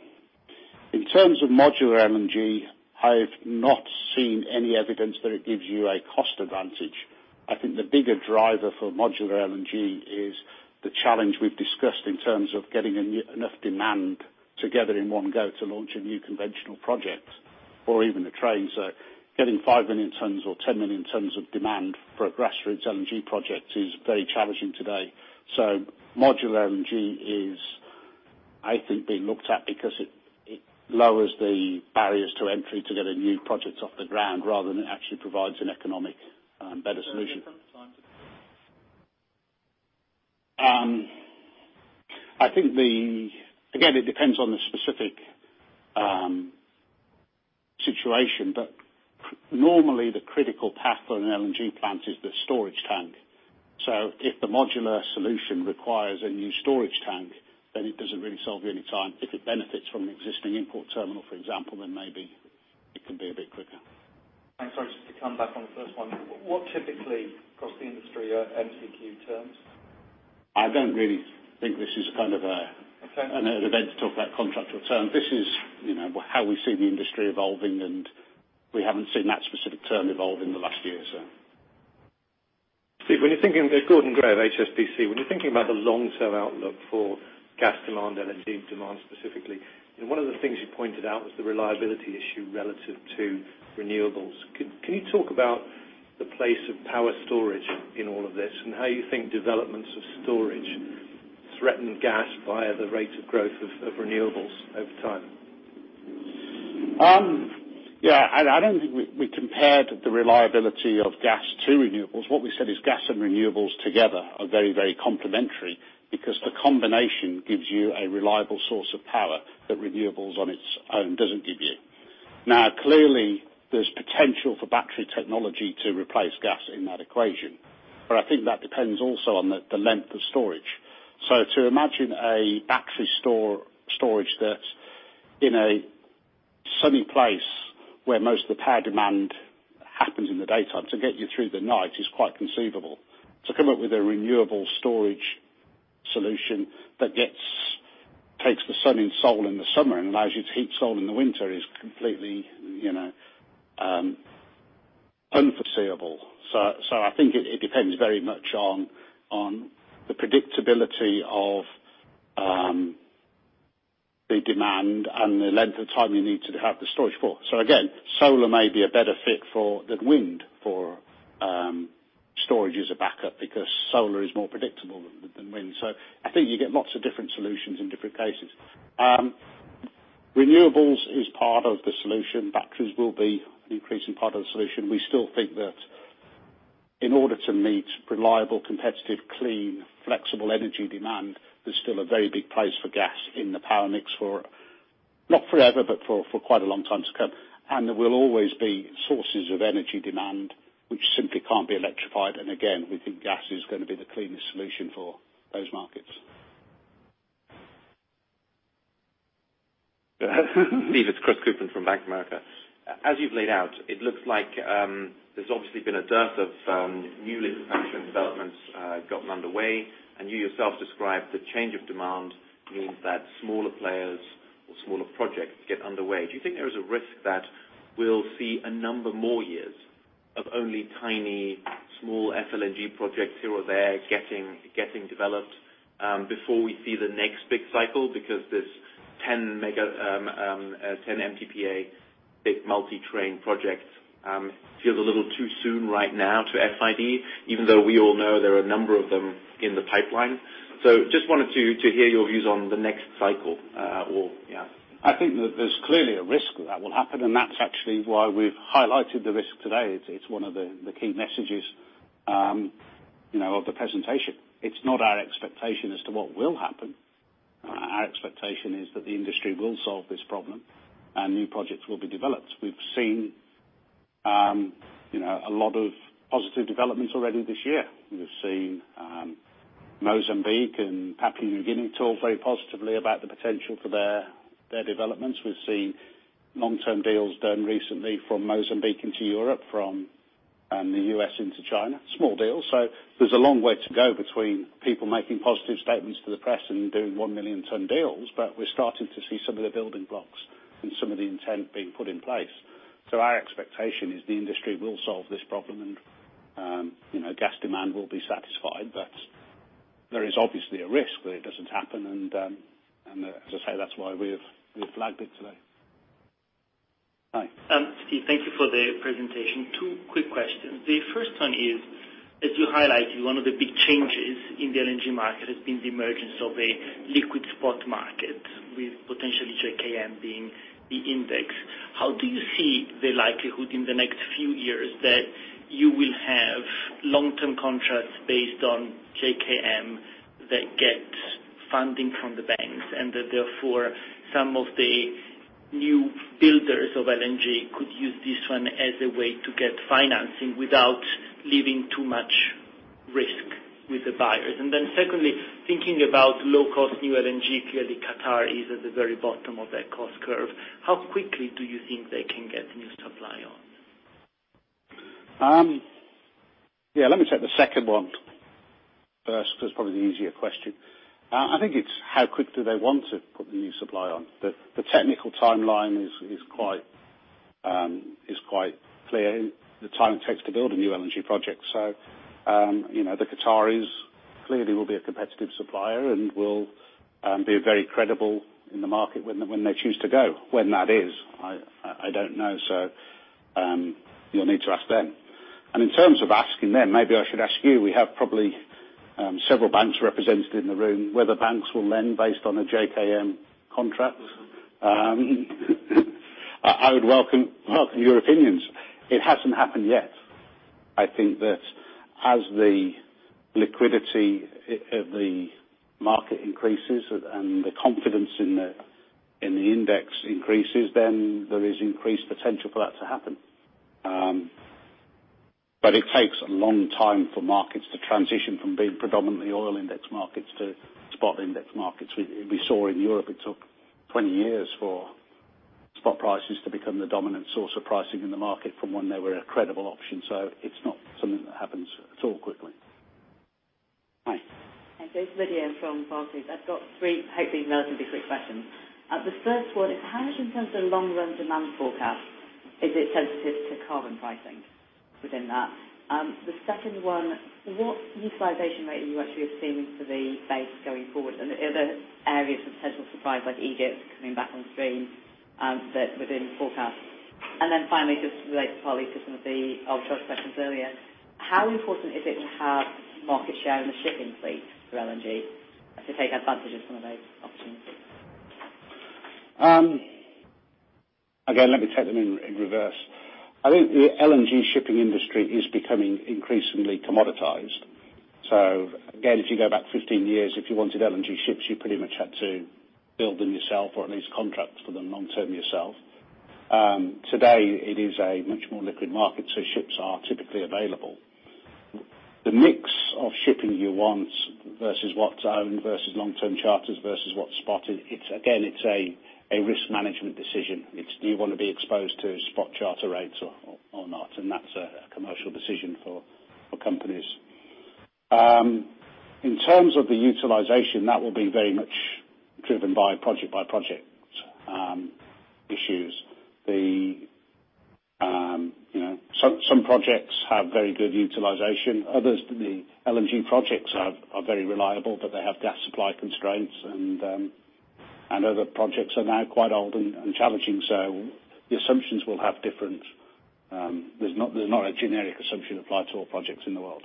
In terms of modular LNG, I've not seen any evidence that it gives you a cost advantage. I think the bigger driver for modular LNG is the challenge we've discussed in terms of getting enough demand together in one go to launch a new conventional project or even a train. Getting 5 million tons or 10 million tons of demand for a grassroots LNG project is very challenging today. Modular LNG is, I think, being looked at because it lowers the barriers to entry to get a new project off the ground rather than it actually provides an economic better solution. Is there a different time to- Again, it depends on the specific situation, but normally the critical path on an LNG plant is the storage tank. If the modular solution requires a new storage tank, it doesn't really solve you any time. If it benefits from an existing import terminal, for example, maybe it can be a bit quicker. I'm sorry, just to come back on the first one. What typically, across the industry, are MTQ terms? I don't really think this is. Okay event to talk about contractual terms. This is how we see the industry evolving, and we haven't seen that specific term evolve in the last year. Steve, Gordon Gray, HSBC. When you're thinking about the long-term outlook for gas demand, LNG demand specifically, and one of the things you pointed out was the reliability issue relative to renewables. Can you talk about the place of power storage in all of this, and how you think developments of storage threaten gas via the rate of growth of renewables over time? Yeah, I don't think we compared the reliability of gas to renewables. What we said is gas and renewables together are very complementary because the combination gives you a reliable source of power that renewables on its own doesn't give you. Now, clearly, there's potential for battery technology to replace gas in that equation, but I think that depends also on the length of storage. To imagine a battery storage that, in a sunny place where most of the power demand happens in the daytime, to get you through the night is quite conceivable. To come up with a renewable storage solution that takes the sun in Seoul in the summer and allows you to heat Seoul in the winter is completely unforeseeable. I think it depends very much on the predictability of the demand and the length of time you need to have the storage for. Again, solar may be a better fit than wind for storage as a backup because solar is more predictable than wind. I think you get lots of different solutions in different cases. Renewables is part of the solution. Batteries will be an increasing part of the solution. We still think that in order to meet reliable, competitive, clean, flexible energy demand, there's still a very big place for gas in the power mix for, not forever, but for quite a long time to come. There will always be sources of energy demand which simply can't be electrified. Again, we think gas is going to be the cleanest solution for those markets. Steve, it's Chris Cooper from Bank of America. As you've laid out, it looks like there's obviously been a dearth of new liquefaction developments gotten underway, and you yourself described the change of demand means that smaller players or smaller projects get underway. Do you think there is a risk that we'll see a number more years of only tiny small FLNG projects here or there getting developed before we see the next big cycle? Because this 10 MTPA big multi-train project feels a little too soon right now to FID, even though we all know there are a number of them in the pipeline. Just wanted to hear your views on the next cycle. I think that there's clearly a risk that will happen, and that's actually why we've highlighted the risk today. It's one of the key messages of the presentation. It's not our expectation as to what will happen. Our expectation is that the industry will solve this problem and new projects will be developed. We've seen a lot of positive developments already this year. We've seen Mozambique and Papua New Guinea talk very positively about the potential for their developments. We've seen long-term deals done recently from Mozambique into Europe, from the U.S. into China. Small deals. There's a long way to go between people making positive statements to the press and doing one million ton deals, but we're starting to see some of the building blocks and some of the intent being put in place. Our expectation is the industry will solve this problem and gas demand will be satisfied, but there is obviously a risk where it doesn't happen and, as I say, that's why we've flagged it today. Hi. Steve, thank you for the presentation. Two quick questions. The first one is, as you highlighted, one of the big changes in the LNG market has been the emergence of a liquid spot market with potentially JKM being the index. How do you see the likelihood in the next few years that you will have long-term contracts based on JKM that get funding from the banks? That therefore some of the new builders of LNG could use this one as a way to get financing without leaving too much risk with the buyers. Secondly, thinking about low-cost new LNG, clearly Qatar is at the very bottom of that cost curve. How quickly do you think they can get new supply on? Yeah, let me take the second one first, because it's probably the easier question. I think it's how quick do they want to put the new supply on? The technical timeline is quite clear, the time it takes to build a new LNG project. The Qataris clearly will be a competitive supplier and will be very credible in the market when they choose to go. When that is, I don't know. You'll need to ask them. In terms of asking them, maybe I should ask you, we have probably several banks represented in the room, whether banks will lend based on a JKM contract. I would welcome your opinions. It hasn't happened yet. I think that as the liquidity of the market increases and the confidence in the index increases, then there is increased potential for that to happen. It takes a long time for markets to transition from being predominantly oil index markets to spot index markets. We saw in Europe it took 20 years for spot prices to become the dominant source of pricing in the market from when they were a credible option. It's not something that happens at all quickly. Hi. Hi, it's Lydia from Barclays. I've got three, hopefully, relatively quick questions. The first one is how, in terms of long-run demand forecast, is it sensitive to carbon pricing within that? The second one, what utilization rate are you actually assuming for the base going forward? Are there areas of potential supply, like Egypt, coming back on stream that within forecast? Finally, just to relate partly to some of the offshore questions earlier, how important is it to have market share in the shipping fleet for LNG to take advantage of some of those opportunities? Let me take them in reverse. I think the LNG shipping industry is becoming increasingly commoditized. If you go back 15 years, if you wanted LNG ships, you pretty much had to build them yourself or at least contract for them long-term yourself. Today it is a much more liquid market, ships are typically available. The mix of shipping you want versus what's owned, versus long-term charters, versus what's spotted. It's a risk management decision. It's do you want to be exposed to spot charter rates or not? That's a commercial decision for companies. In terms of the utilization, that will be very much driven by project issues. Some projects have very good utilization. Others, the LNG projects are very reliable, but they have gas supply constraints, and other projects are now quite old and challenging. The assumptions will have different. There's not a generic assumption applied to all projects in the world.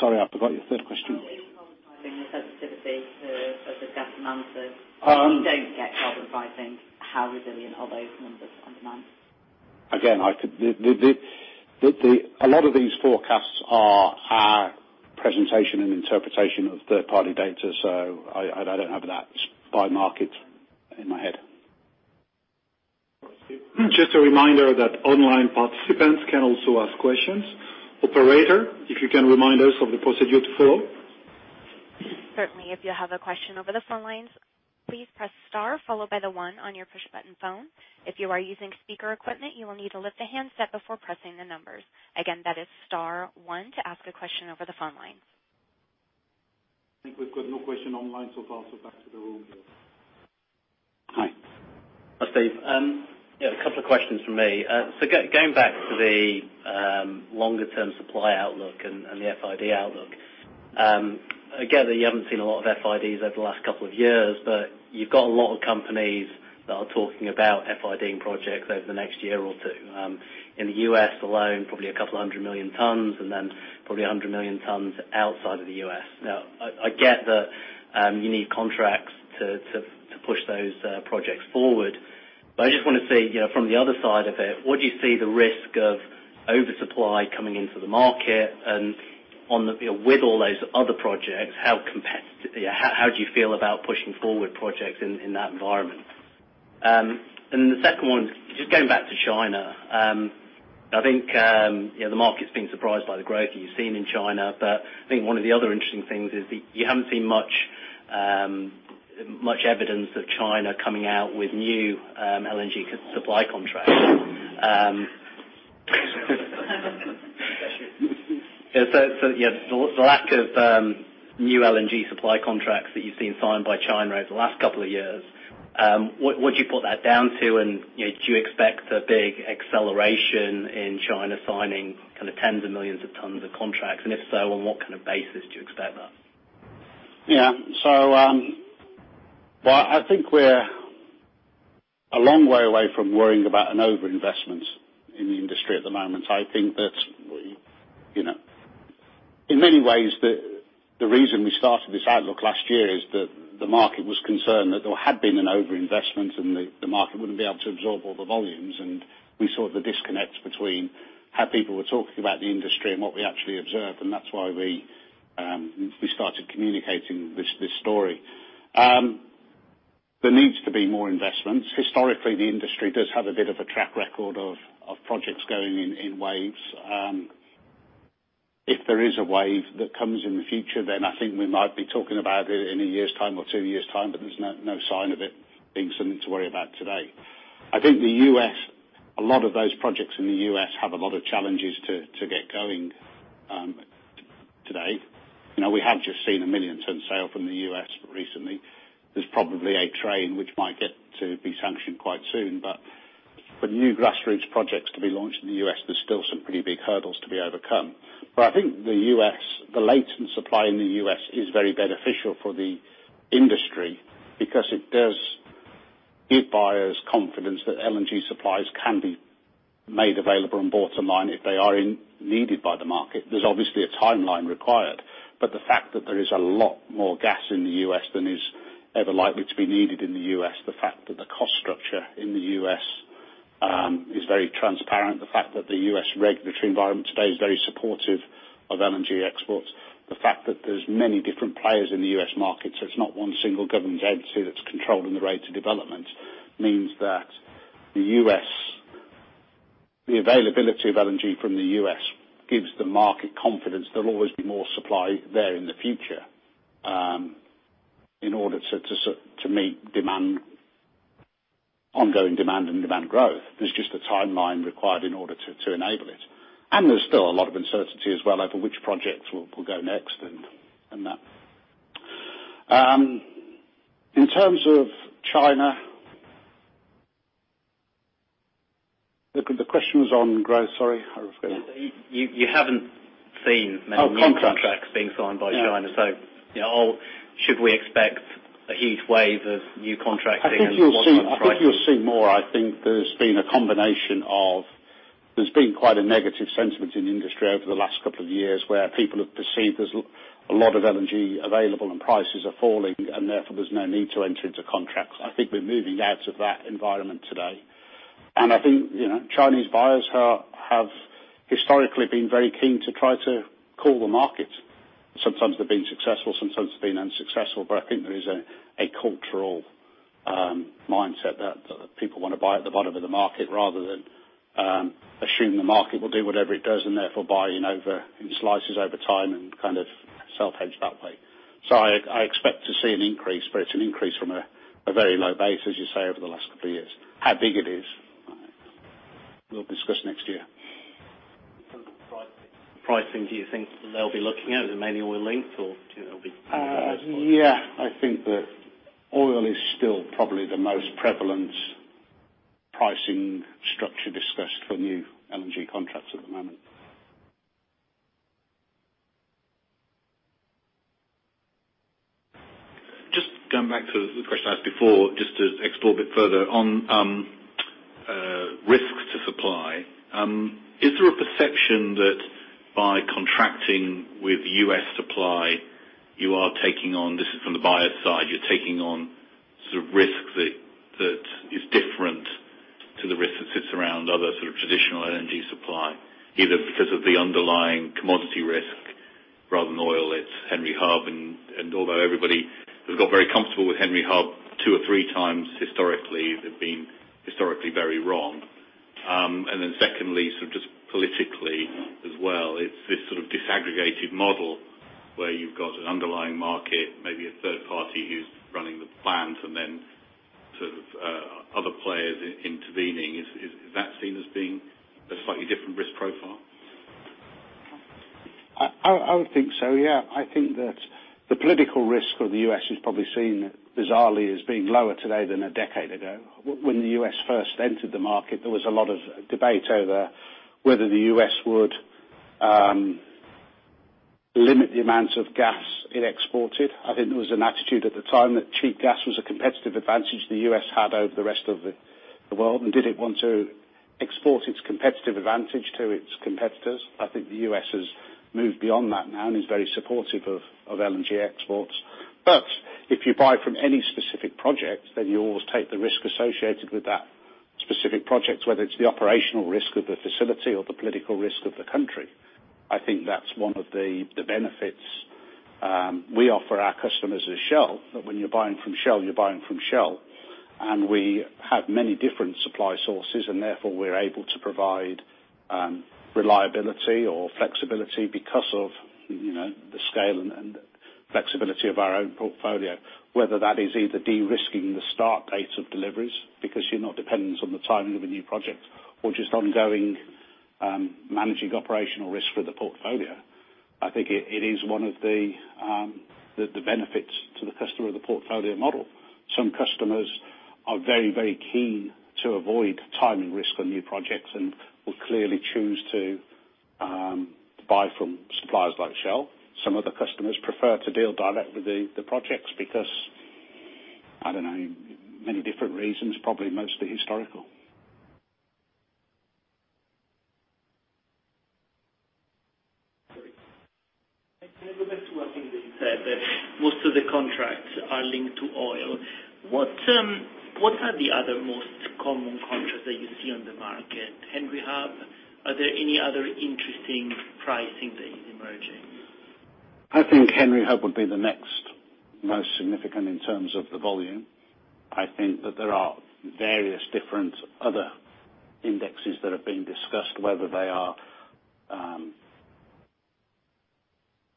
Sorry, I forgot your third question. In terms of carbon pricing and sensitivity to the gas demand, if you don't get carbon pricing, how resilient are those numbers on demand? A lot of these forecasts are presentation and interpretation of third-party data. I don't have that by market in my head. Just a reminder that online participants can also ask questions. Operator, if you can remind us of the procedure to follow. Certainly. If you have a question over the phone lines, please press star followed by the one on your push button phone. If you are using speaker equipment, you will need to lift the handset before pressing the numbers. Again, that is star one to ask a question over the phone lines. I think we've got no question online so far, so back to the room. Hi. Hi, Steve. Yeah, a couple of questions from me. Going back to the longer-term supply outlook and the FID outlook. I get that you haven't seen a lot of FIDs over the last couple of years, but you've got a lot of companies that are talking about FID-ing projects over the next year or two. In the U.S. alone, probably a couple of hundred million tons and then probably 100 million tons outside of the U.S. I get that you need contracts to push those projects forward. I just want to see from the other side of it, what do you see the risk of oversupply coming into the market and with all those other projects, how do you feel about pushing forward projects in that environment? The second one, just going back to China. I think the market's been surprised by the growth that you've seen in China. I think one of the other interesting things is that you haven't seen much evidence of China coming out with new LNG supply contracts. Bless you. Yeah, the lack of new LNG supply contracts that you've seen signed by China over the last couple of years. What do you put that down to? Do you expect a big acceleration in China signing tens of millions of tons of contracts? If so, on what kind of basis do you expect that? Yeah. I think we're a long way away from worrying about an overinvestment in the industry at the moment. I think that in many ways, the reason we started this outlook last year is that the market was concerned that there had been an overinvestment, and the market wouldn't be able to absorb all the volumes. We saw the disconnect between how people were talking about the industry and what we actually observed, that's why we started communicating this story. There needs to be more investments. Historically, the industry does have a bit of a track record of projects going in waves. If there is a wave that comes in the future, I think we might be talking about it in a year's time or two years time, but there's no sign of it being something to worry about today. I think the U.S., a lot of those projects in the U.S. have a lot of challenges to get going today. We have just seen a 1 million ton sale from the U.S. recently. There's probably a train which might get to be sanctioned quite soon, but for new grassroots projects to be launched in the U.S., there's still some pretty big hurdles to be overcome. I think the U.S., the latent supply in the U.S. is very beneficial for the industry because it does give buyers confidence that LNG supplies can be made available and bought online if they are needed by the market. There's obviously a timeline required, but the fact that there is a lot more gas in the U.S. than is ever likely to be needed in the U.S. The fact that the cost structure in the U.S. is very transparent, the fact that the U.S. regulatory environment today is very supportive of LNG exports, the fact that there's many different players in the U.S. market, so it's not one single government agency that's controlling the rate of development, means that the availability of LNG from the U.S. gives the market confidence there'll always be more supply there in the future in order to meet ongoing demand and demand growth. There's just a timeline required in order to enable it. There's still a lot of uncertainty as well over which projects will go next and that. In terms of China. The question was on growth. You haven't seen many. Oh, contracts. new contracts being signed by China. Yeah. Should we expect a heat wave of new contracting and what kind of pricing? I think you'll see more. I think there's been a combination of, there's been quite a negative sentiment in the industry over the last couple of years, where people have perceived there's a lot of LNG available and prices are falling, and therefore there's no need to enter into contracts. I think we're moving out of that environment today, and I think Chinese buyers have historically been very keen to try to call the market. Sometimes they've been successful, sometimes they've been unsuccessful. I think there is a cultural mindset that people want to buy at the bottom of the market rather than assume the market will do whatever it does, and therefore buying over in slices over time and kind of self-hedge that way. I expect to see an increase, but it's an increase from a very low base, as you say, over the last couple of years. How big it is, we'll discuss next year. In terms of pricing, do you think that they'll be looking at it mainly oil linked, or do you know? Yeah, I think that oil is still probably the most prevalent pricing structure discussed for new LNG contracts at the moment. Just going back to the question I asked before, just to explore a bit further on risks to supply. Is there a perception that by contracting with U.S. supply, you are taking on, this is from the buyer's side, you're taking on sort of risk that is different to the risk that sits around other sort of traditional LNG supply, either because of the underlying commodity risk rather than oil, it's Henry Hub, and although everybody has got very comfortable with Henry Hub, two or three times historically, they've been historically very wrong, and then secondly, sort of just politically as well, it's this sort of disaggregated model where you've got an underlying market, maybe a third party who's running the plant and then sort of other players intervening, and is that seen as being a slightly different risk profile? I would think so, yeah. I think that the political risk of the U.S. is probably seen, bizarrely, as being lower today than a decade ago. When the U.S. first entered the market, there was a lot of debate over whether the U.S. would limit the amount of gas it exported. I think there was an attitude at the time that cheap gas was a competitive advantage the U.S. had over the rest of the world, and did it want to export its competitive advantage to its competitors? I think the U.S. has moved beyond that now and is very supportive of LNG exports. If you buy from any specific project, then you always take the risk associated with that specific project, whether it's the operational risk of the facility or the political risk of the country. I think that is one of the benefits we offer our customers as Shell, that when you are buying from Shell, you are buying from Shell. We have many different supply sources, and therefore we are able to provide reliability or flexibility because of the scale and flexibility of our own portfolio. Whether that is either de-risking the start date of deliveries, because you are not dependent on the timing of a new project or just ongoing managing operational risk for the portfolio. I think it is one of the benefits to the customer of the portfolio model. Some customers are very keen to avoid timing risk on new projects and will clearly choose to buy from suppliers like Shell. Some of the customers prefer to deal direct with the projects because, I don't know, many different reasons, probably mostly historical. Sorry. Can I go back to one thing that you said, that most of the contracts are linked to oil. What are the other most common contracts that you see on the market? Henry Hub? Are there any other interesting pricing that is emerging? I think Henry Hub would be the next most significant in terms of the volume. I think that there are various different other indexes that have been discussed, whether they are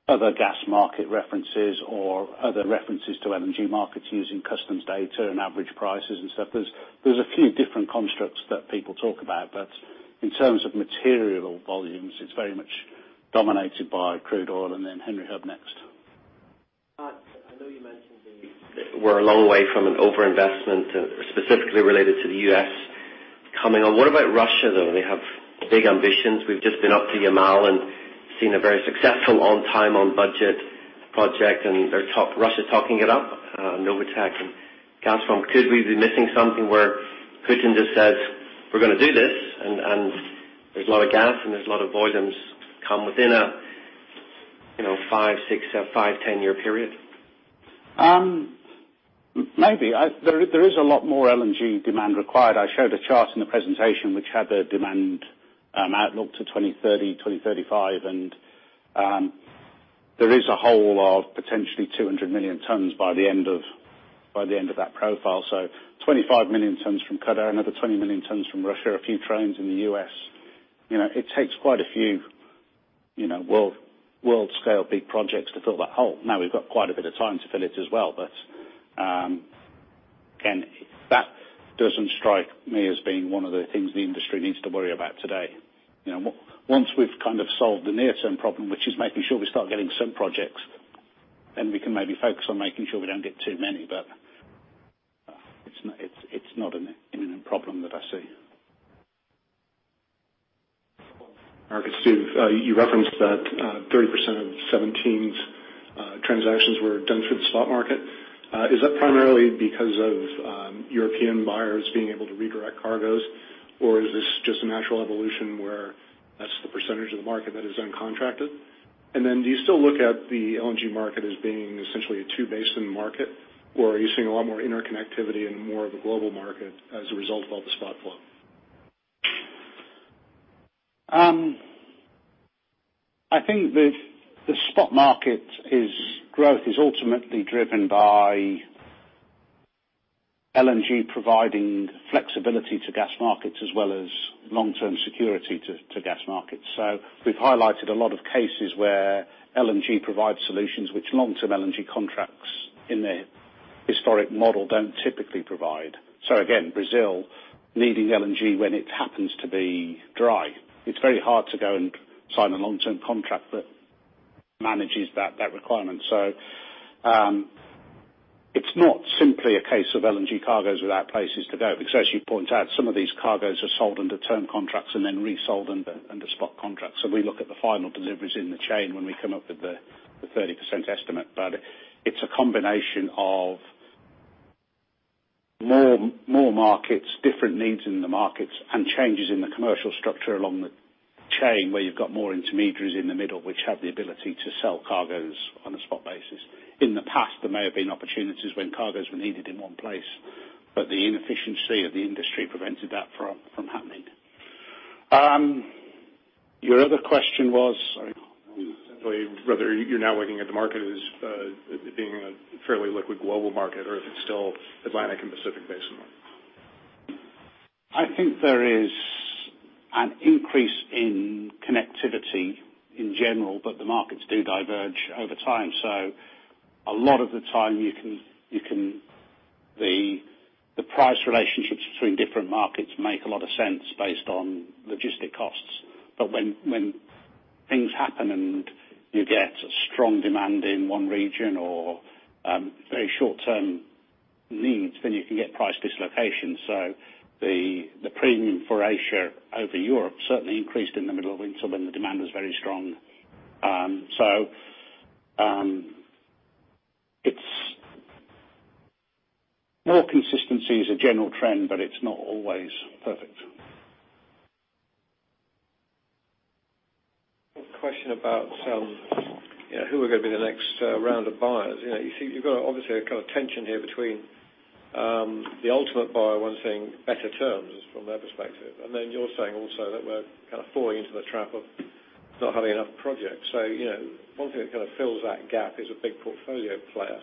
other gas market references or other references to LNG markets using customs data and average prices and stuff. There is a few different constructs that people talk about, but in terms of material volumes, it is very much dominated by crude oil and then Henry Hub next. That, I know you mentioned we are a long way from an overinvestment specifically related to the U.S. coming on. What about Russia, though? They have big ambitions. We have just been up to Yamal and seen a very successful on-time, on-budget project. Russia is talking it up, NOVATEK and Gazprom. Could we be missing something where Putin just says, "We are going to do this," There is a lot of gas and there is a lot of volumes come within a Five, six, seven, five, 10 year period? Maybe. There is a lot more LNG demand required. I showed a chart in the presentation which had the demand outlook to 2030, 2035. There is a hole of potentially 200 million tons by the end of that profile. 25 million tons from Qatar, another 20 million tons from Russia, a few trains in the U.S. It takes quite a few world-scale big projects to fill that hole. We've got quite a bit of time to fill it as well. Again, that doesn't strike me as being one of the things the industry needs to worry about today. Once we've solved the near-term problem, which is making sure we start getting some projects, we can maybe focus on making sure we don't get too many. It's not an imminent problem that I see. Mark, it's Steve. You referenced that 30% of 2017's transactions were done through the spot market. Is that primarily because of European buyers being able to redirect cargoes, or is this just a natural evolution where that's the percentage of the market that is uncontracted? Do you still look at the LNG market as being essentially a two basin market, or are you seeing a lot more interconnectivity and more of a global market as a result of all the spot flow? I think the spot market is growth is ultimately driven by LNG providing flexibility to gas markets as well as long-term security to gas markets. We've highlighted a lot of cases where LNG provides solutions which long-term LNG contracts in the historic model don't typically provide. Again, Brazil needing LNG when it happens to be dry, it's very hard to go and sign a long-term contract that manages that requirement. It's not simply a case of LNG cargoes without places to go, because as you point out, some of these cargoes are sold under term contracts and then resold under spot contracts. We look at the final deliveries in the chain when we come up with the 30% estimate. It's a combination of more markets, different needs in the markets, and changes in the commercial structure along the chain where you've got more intermediaries in the middle, which have the ability to sell cargoes on a spot basis. In the past, there may have been opportunities when cargoes were needed in one place, but the inefficiency of the industry prevented that from happening. Your other question was, sorry. Simply whether you're now looking at the market as being a fairly liquid global market or if it's still Atlantic and Pacific basin market. I think there is an increase in connectivity in general, but the markets do diverge over time. A lot of the time, the price relationships between different markets make a lot of sense based on logistic costs. When things happen and you get strong demand in one region or very short-term needs, then you can get price dislocation. The premium for Asia over Europe certainly increased in the middle of winter when the demand was very strong. More consistency is a general trend, but it's not always perfect. Quick question about some, who are going to be the next round of buyers. You've got obviously a kind of tension here between the ultimate buyer wanting better terms from their perspective. Then you're saying also that we're kind of falling into the trap of not having enough projects. One thing that kind of fills that gap is a big portfolio player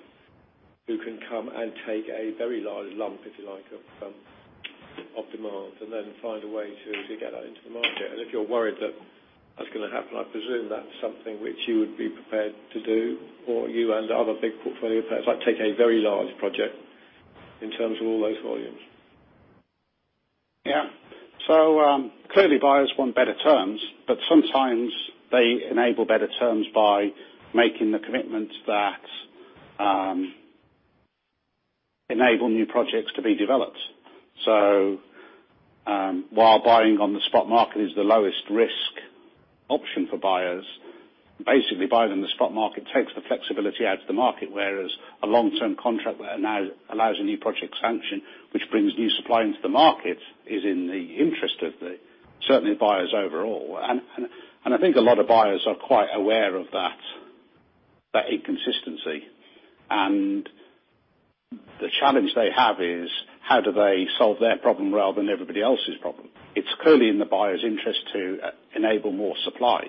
who can come and take a very large lump, if you like, of demand and then find a way to get that into the market. If you're worried that that's going to happen, I presume that's something which you would be prepared to do, or you and other big portfolio players, like take a very large project in terms of all those volumes. Clearly buyers want better terms, sometimes they enable better terms by making the commitments that enable new projects to be developed. While buying on the spot market is the lowest risk option for buyers, basically buying on the spot market takes the flexibility out of the market, whereas a long-term contract that allows a new project sanction, which brings new supply into the market, is in the interest of the certainly buyers overall. I think a lot of buyers are quite aware of that inconsistency. The challenge they have is: how do they solve their problem rather than everybody else's problem? It's clearly in the buyer's interest to enable more supply,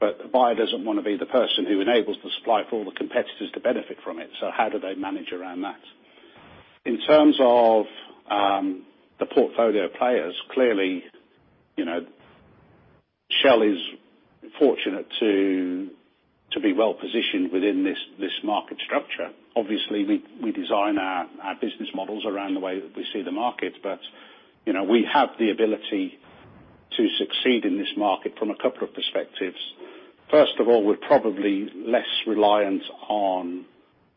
but the buyer doesn't want to be the person who enables the supply for all the competitors to benefit from it. How do they manage around that? In terms of the portfolio players, clearly, Shell is fortunate to be well-positioned within this market structure. Obviously, we design our business models around the way that we see the market. We have the ability to succeed in this market from a couple of perspectives. First of all, we're probably less reliant on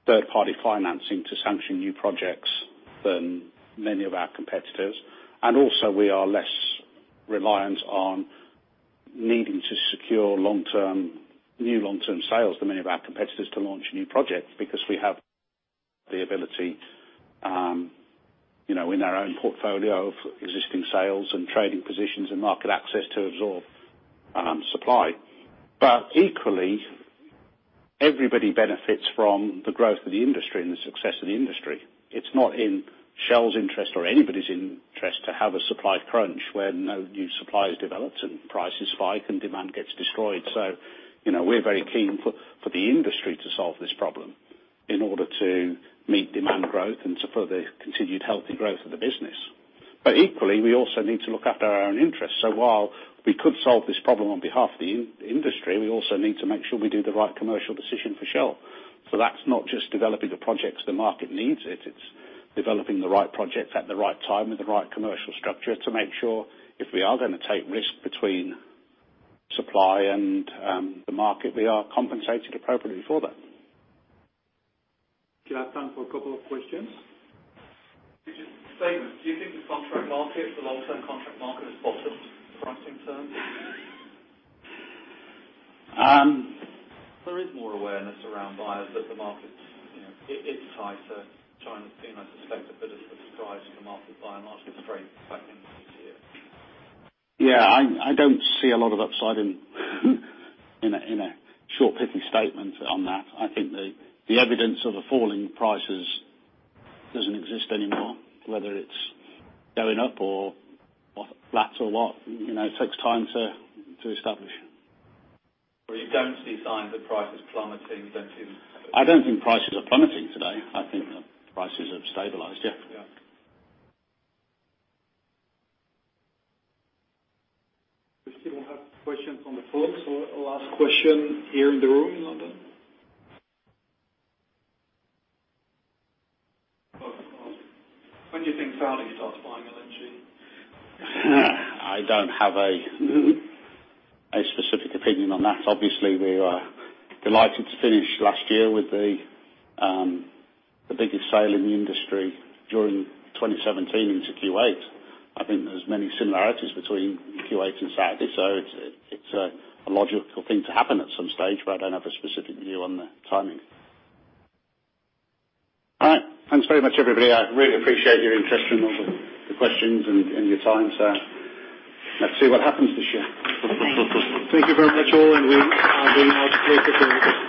third-party financing to sanction new projects than many of our competitors. Also we are less reliant on needing to secure new long-term sales than many of our competitors to launch new projects because we have the ability, in our own portfolio of existing sales and trading positions and market access, to absorb supply. Equally, everybody benefits from the growth of the industry and the success of the industry. It's not in Shell's interest, or anybody's interest, to have a supply crunch where no new supply is developed and prices spike and demand gets destroyed. We're very keen for the industry to solve this problem in order to meet demand growth and support the continued healthy growth of the business. Equally, we also need to look after our own interests. While we could solve this problem on behalf of the industry, we also need to make sure we do the right commercial decision for Shell. That's not just developing the projects the market needs. It's developing the right projects at the right time with the right commercial structure to make sure if we are going to take risk between supply and the market, we are compensated appropriately for that. Do I have time for a couple of questions? Just a statement. Do you think the contract market, the long-term contract market, has bottomed in pricing terms? There is more awareness around buyers that the market's, it's tighter. I suspect a bit of surprise from market by market strength, I think we see it. Yeah, I don't see a lot of upside in a short pithy statement on that. I think the evidence of the falling prices doesn't exist anymore, whether it's going up or flat or what. It takes time to establish. You don't see signs of prices plummeting, don't you? I don't think prices are plummeting today. I think that prices have stabilized. Yeah. Yeah. We still have questions on the floor, so last question here in the room in London. When do you think Saudi starts buying LNG? I don't have a specific opinion on that. Obviously, we are delighted to finish last year with the biggest sale in the industry during 2017 into Q8. I think there's many similarities between Q8 and Saudi, so it's a logical thing to happen at some stage, but I don't have a specific view on the timing. All right. Thanks very much, everybody. I really appreciate your interest and all the questions and your time. Let's see what happens this year. Thank you very much all, and we are now clear to leave. Thanks.